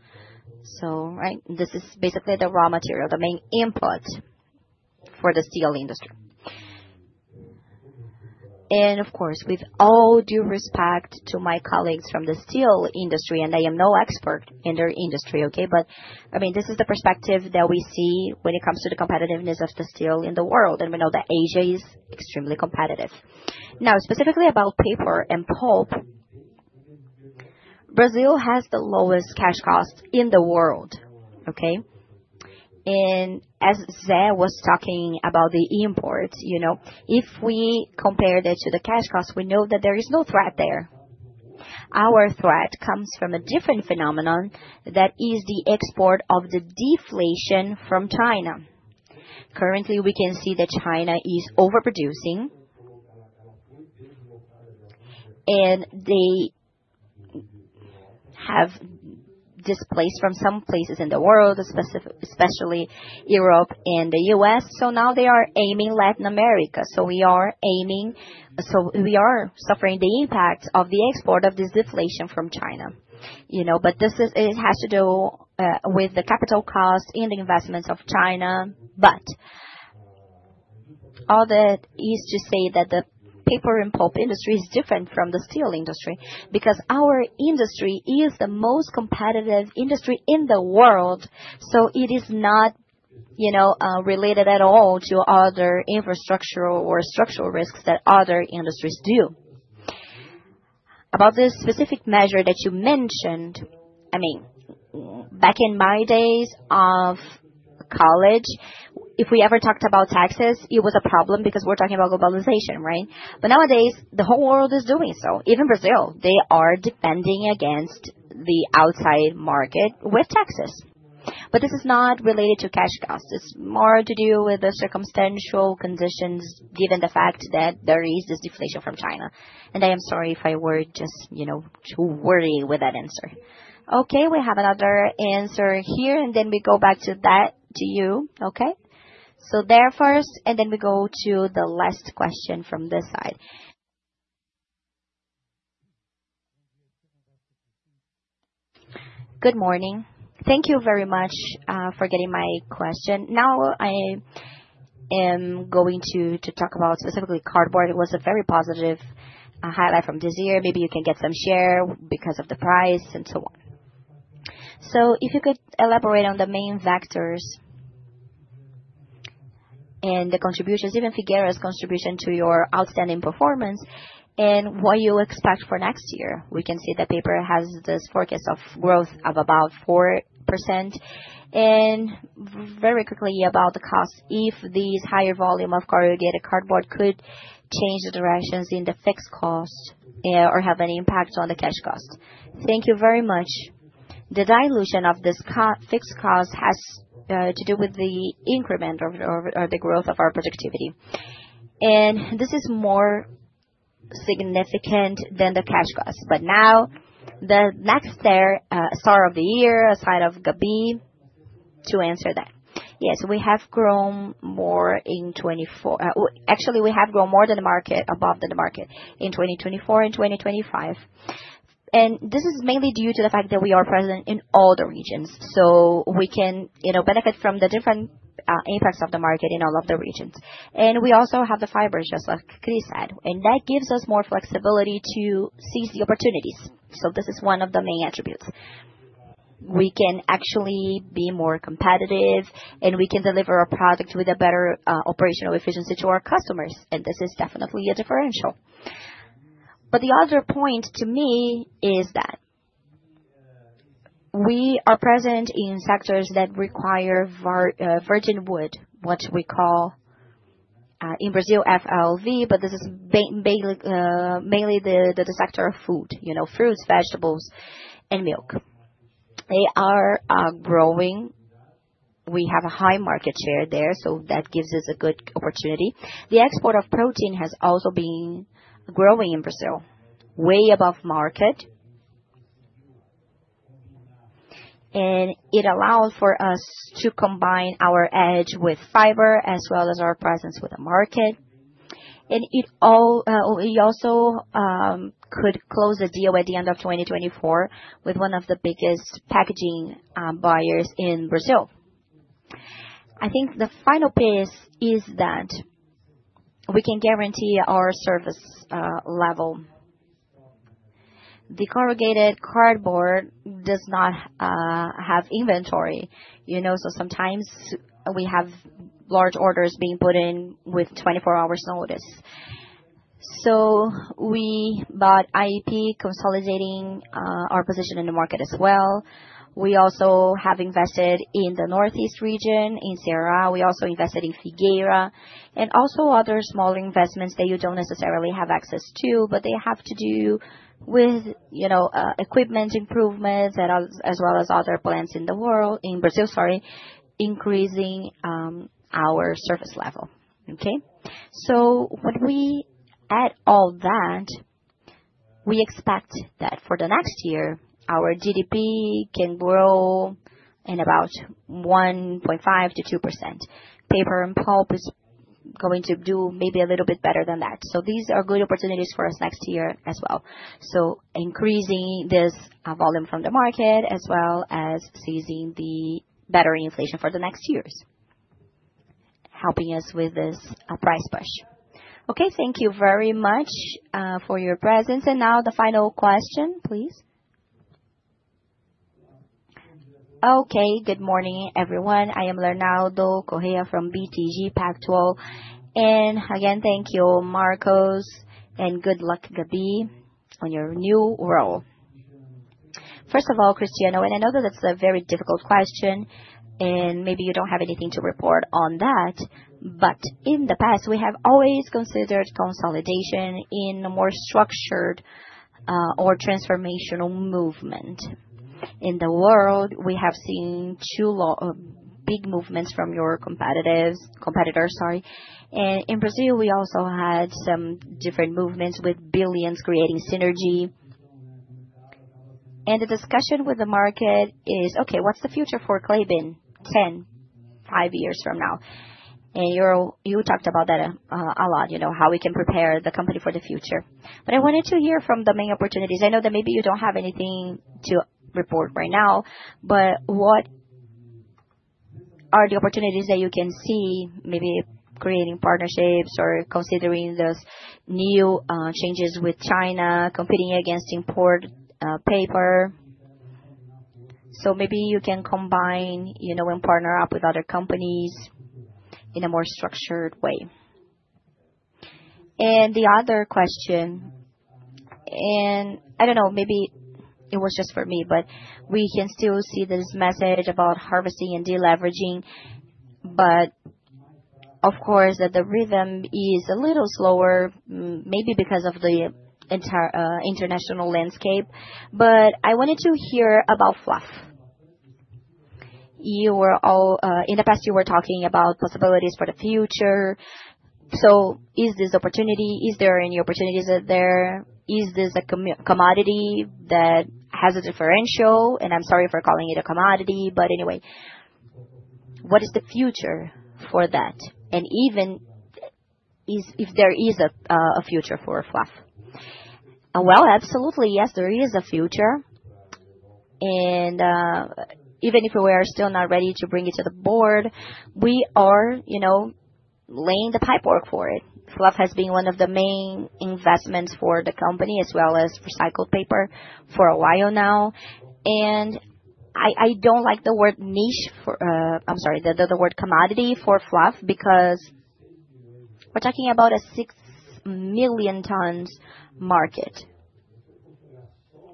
So this is basically the raw material, the main input for the steel industry. And of course, with all due respect to my colleagues from the steel industry, and I am no expert in their industry, okay? But I mean, this is the perspective that we see when it comes to the competitiveness of the steel in the world. And we know that Asia is extremely competitive. Now, specifically about paper and pulp, Brazil has the lowest cash cost in the world, okay? As Zé was talking about the imports, if we compare that to the cash cost, we know that there is no threat there. Our threat comes from a different phenomenon that is the export of the deflation from China. Currently, we can see that China is overproducing, and they have displaced from some places in the world, especially Europe and the U.S. So now they are aiming Latin America. So we are aiming. So we are suffering the impact of the export of this deflation from China. But it has to do with the capital cost and the investments of China. But all that is to say that the paper and pulp industry is different from the steel industry because our industry is the most competitive industry in the world. So it is not related at all to other infrastructural or structural risks that other industries do. About this specific measure that you mentioned, I mean, back in my days of college, if we ever talked about taxes, it was a problem because we're talking about globalization, right? But nowadays, the whole world is doing so. Even Brazil, they are defending against the outside market with taxes. But this is not related to cash costs. It's more to do with the circumstantial conditions given the fact that there is this deflation from China. And I am sorry if I were just too worried with that answer. Okay, we have another answer here, and then we go back to that to you, okay? So there first, and then we go to the last question from this side. Good morning. Thank you very much for getting my question. Now, I am going to talk about specifically cardboard. It was a very positive highlight from this year. Maybe you can get some share because of the price and so on. So if you could elaborate on the main factors and the contributions, even Figueira's contribution to your outstanding performance and what you expect for next year. We can see that paper has this forecast of growth of about 4%, and very quickly about the cost, if this higher volume of corrugated cardboard could change the directions in the fixed cost or have any impact on the cash cost. Thank you very much. The dilution of this fixed cost has to do with the increment or the growth of our productivity, and this is more significant than the cash cost. But now, the next star of the year, a side of Gabi to answer that. Yes, we have grown more in 2024. Actually, we have grown more than the market, above the market in 2024 and 2025. This is mainly due to the fact that we are present in all the regions. We can benefit from the different impacts of the market in all of the regions. We also have the fibers, just like Chris said. That gives us more flexibility to seize the opportunities. This is one of the main attributes. We can actually be more competitive, and we can deliver a product with a better operational efficiency to our customers. This is definitely a differential. The other point to me is that we are present in sectors that require virgin wood, what we call in Brazil, FLV, but this is mainly the sector of food, fruits, vegetables, and milk. They are growing. We have a high market share there, so that gives us a good opportunity. The export of protein has also been growing in Brazil, way above market, and it allows for us to combine our edge with fiber as well as our presence with the market, and we also could close a deal at the end of 2024 with one of the biggest packaging buyers in Brazil. I think the final piece is that we can guarantee our service level. The corrugated cardboard does not have inventory. So sometimes we have large orders being put in with 24 hours' notice, so we bought IP, consolidating our position in the market as well. We also have invested in the Northeast region, in Ceará. We also invested in Figueira and also other small investments that you don't necessarily have access to, but they have to do with equipment improvements as well as other plants in Brazil, sorry, increasing our service level, okay? So when we add all that, we expect that for the next year, our GDP can grow in about 1.5%-2%. Paper and pulp is going to do maybe a little bit better than that. So these are good opportunities for us next year as well. So increasing this volume from the market as well as seizing the better inflation for the next years, helping us with this price push. Okay, thank you very much for your presence. And now the final question, please. Okay, good morning, everyone. I am Leonardo Correa from BTG Pactual. And again, thank you, Marcos, and good luck, Gabi, on your new role. First of all, Cristiano, and I know that that's a very difficult question, and maybe you don't have anything to report on that, but in the past, we have always considered consolidation in a more structured or transformational movement. In the world, we have seen two big movements from your competitors, sorry, and in Brazil, we also had some different movements with billions creating synergy, and the discussion with the market is, okay, what's the future for Klabin in 10, 5 years from now? You talked about that a lot, how we can prepare the company for the future, but I wanted to hear from the main opportunities. I know that maybe you don't have anything to report right now, but what are the opportunities that you can see, maybe creating partnerships or considering those new changes with China competing against imported paper, so maybe you can combine and partner up with other companies in a more structured way. The other question, and I don't know, maybe it was just for me, but we can still see this message about harvesting and deleveraging, but of course, the rhythm is a little slower, maybe because of the international landscape. I wanted to hear about fluff. In the past, you were talking about possibilities for the future. Is this opportunity? Is there any opportunities out there? Is this a commodity that has a differential? I'm sorry for calling it a commodity, but anyway, what is the future for that? Even if there is a future for fluff? Absolutely, yes, there is a future. Even if we are still not ready to bring it to the board, we are laying the pipework for it. Fluff has been one of the main investments for the company as well as recycled paper for a while now. I don't like the word niche. I'm sorry, the word commodity for fluff because we're talking about a 6 million tons market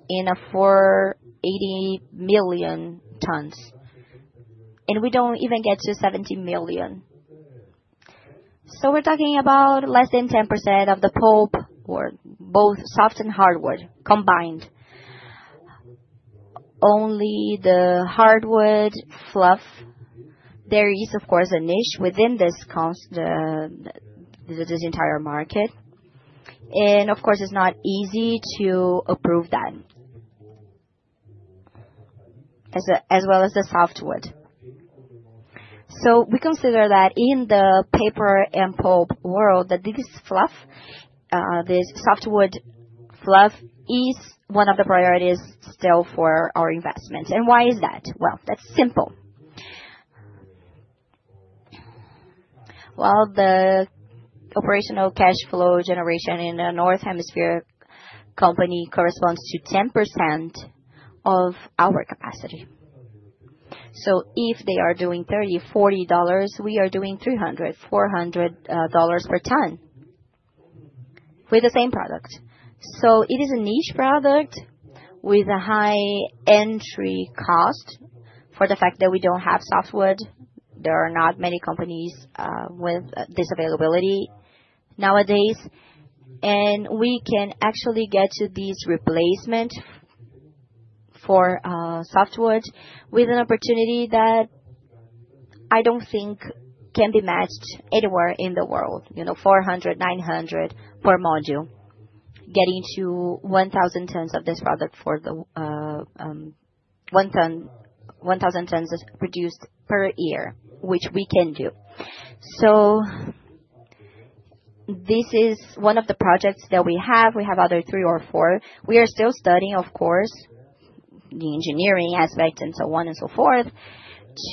and a 480 million tons. We don't even get to 70 million. We're talking about less than 10% of the pulp or both soft and hardwood combined. Only the hardwood fluff, there is, of course, a niche within this entire market. Of course, it's not easy to approve that, as well as the softwood. We consider that in the paper and pulp world, that this softwood fluff is one of the priorities still for our investment. Why is that? That's simple. The operational cash flow generation in the Northern Hemisphere companies corresponds to 10% of our capacity. If they are doing $30-$40, we are doing $300-$400 per ton with the same product. So it is a niche product with a high entry cost for the fact that we don't have softwood. There are not many companies with this availability nowadays. And we can actually get to this replacement for softwood with an opportunity that I don't think can be matched anywhere in the world, 400-900 per module, getting to 1,000 tons of this product for the 1,000 tons produced per year, which we can do. So this is one of the projects that we have. We have other three or four. We are still studying, of course, the engineering aspect and so on and so forth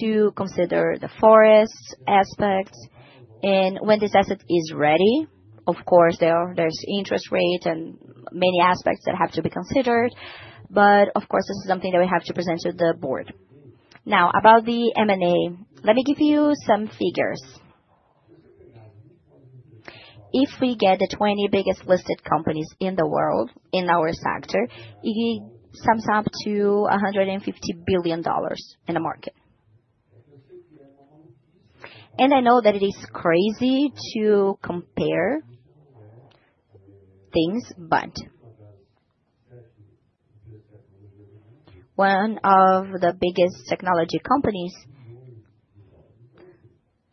to consider the forest aspect. And when this asset is ready, of course, there's interest rate and many aspects that have to be considered. But of course, this is something that we have to present to the board. Now, about the M&A, let me give you some figures. If we get the 20 biggest listed companies in the world in our sector, it sums up to $150 billion in the market, and I know that it is crazy to compare things, but one of the biggest technology companies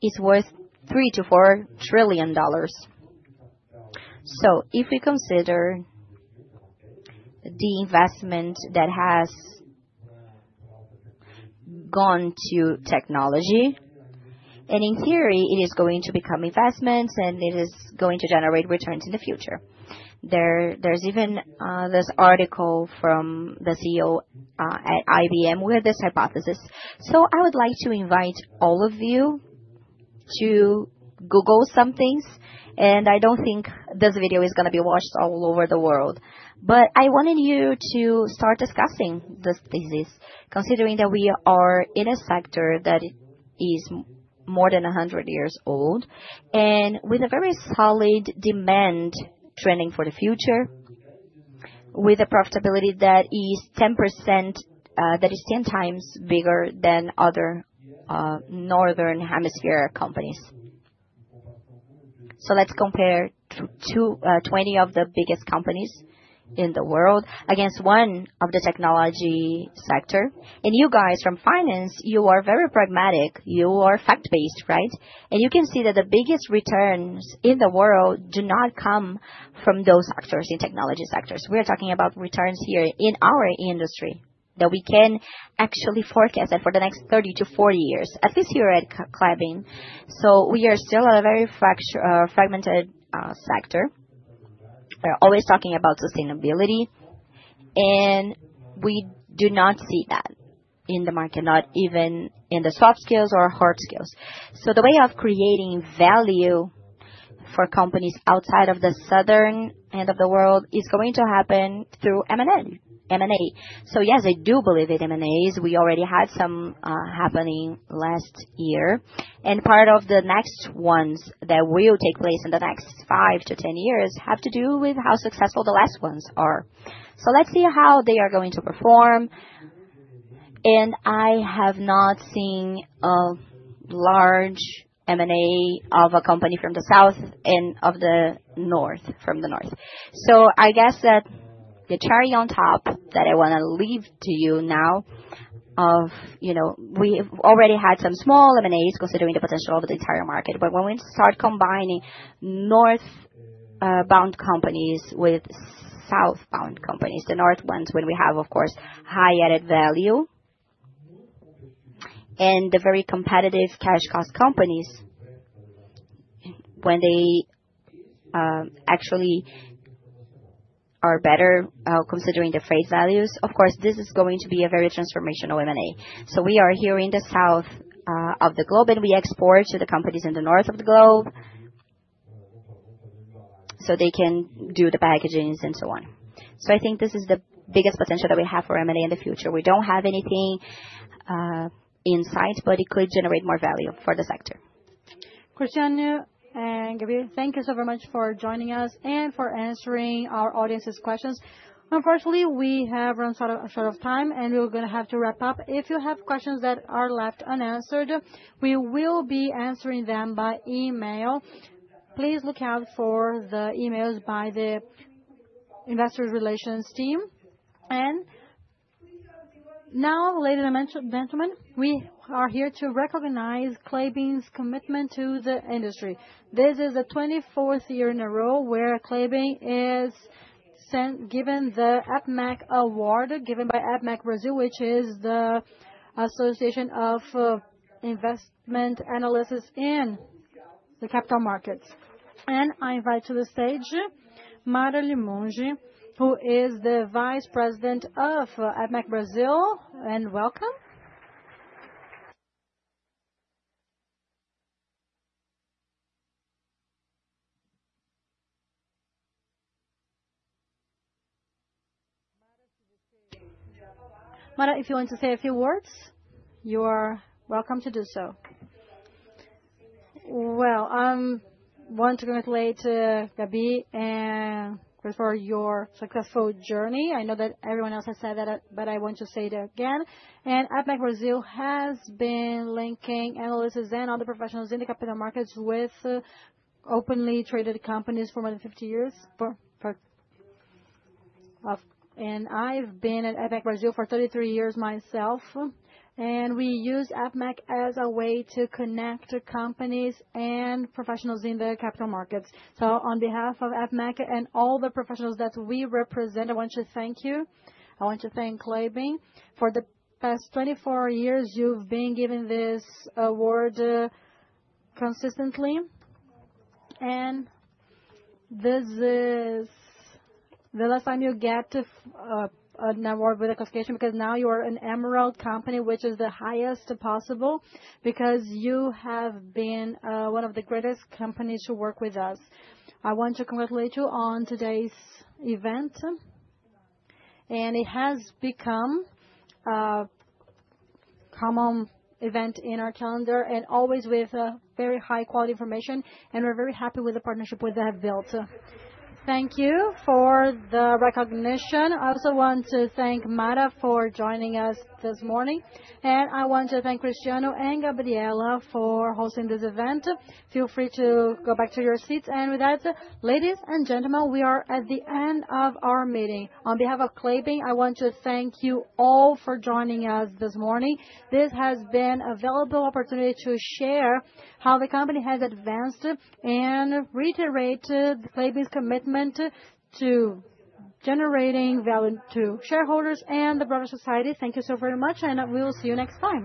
is worth $3 to $4 trillion. So if we consider the investment that has gone to technology, and in theory, it is going to become investments, and it is going to generate returns in the future, there's even this article from the CEO at IBM with this hypothesis, so I would like to invite all of you to Google some things, and I don't think this video is going to be watched all over the world. But I wanted you to start discussing this thesis considering that we are in a sector that is more than 100 years old and with a very solid demand trending for the future, with a profitability that is 10%, that is 10 times bigger than other Northern Hemisphere companies. So let's compare 20 of the biggest companies in the world against one of the technology sectors. And you guys from finance, you are very pragmatic. You are fact-based, right? And you can see that the biggest returns in the world do not come from those sectors in technology sectors. We are talking about returns here in our industry that we can actually forecast for the next 30 to 40 years, at least here at Klabin. So we are still at a very fragmented sector. We're always talking about sustainability, and we do not see that in the market, not even in the soft skills or hard skills. So the way of creating value for companies outside of the Southern end of the world is going to happen through M&A. So yes, I do believe in M&As. We already had some happening last year. And part of the next ones that will take place in the next five to 10 years have to do with how successful the last ones are. So let's see how they are going to perform. And I have not seen a large M&A of a company from the South and of the North from the North. So I guess that the cherry on top that I want to leave to you now, we've already had some small M&As considering the potential of the entire market. But when we start combining North-based companies with South-based companies, the North ones, when we have, of course, high added value and the very competitive cash cost companies, when they actually are better considering the freight values, of course, this is going to be a very transformational M&A. So we are here in the South of the globe, and we export to the companies in the North of the globe so they can do the packaging and so on. So I think this is the biggest potential that we have for M&A in the future. We don't have anything in sight, but it could generate more value for the sector. Cristiano and Gabi, thank you so very much for joining us and for answering our audience's questions. Unfortunately, we have run short of time, and we're going to have to wrap up. If you have questions that are left unanswered, we will be answering them by email. Please look out for the emails by the Investor Relations team. And now, ladies and gentlemen, we are here to recognize Klabin's commitment to the industry. This is the 24th year in a row where Klabin is given the APIMEC Award given by APIMEC Brasil, which is the Association of Investment Analysts in the Capital Markets. And I invite to the stage Mara Limongi, who is the Vice President of APIMEC Brasil, and welcome. Mara, if you want to say a few words, you are welcome to do so. Well, I want to congratulate Gabi for your successful journey. I know that everyone else has said that, but I want to say it again. APIMEC Brasil has been linking analysts and other professionals in the capital markets with publicly traded companies for more than 50 years. I've been at APIMEC Brasil for 33 years myself. We use APIMEC as a way to connect companies and professionals in the capital markets. On behalf of APIMEC and all the professionals that we represent, I want to thank you. I want to thank Klabin. For the past 24 years, you've been given this award consistently. This is the last time you get an award with a classification because now you are a Diamond company, which is the highest possible because you have been one of the greatest companies to work with us. I want to congratulate you on today's event. It has become a common event in our calendar and always with very high-quality information. We're very happy with the partnership we have built. Thank you for the recognition. I also want to thank Mara for joining us this morning. I want to thank Cristiano and Gabriela for hosting this event. Feel free to go back to your seats. With that, ladies and gentlemen, we are at the end of our meeting. On behalf of Klabin, I want to thank you all for joining us this morning. This has been a valuable opportunity to share how the company has advanced and reiterate Klabin's commitment to generating value to shareholders and the broader society. Thank you so very much, and we will see you next time.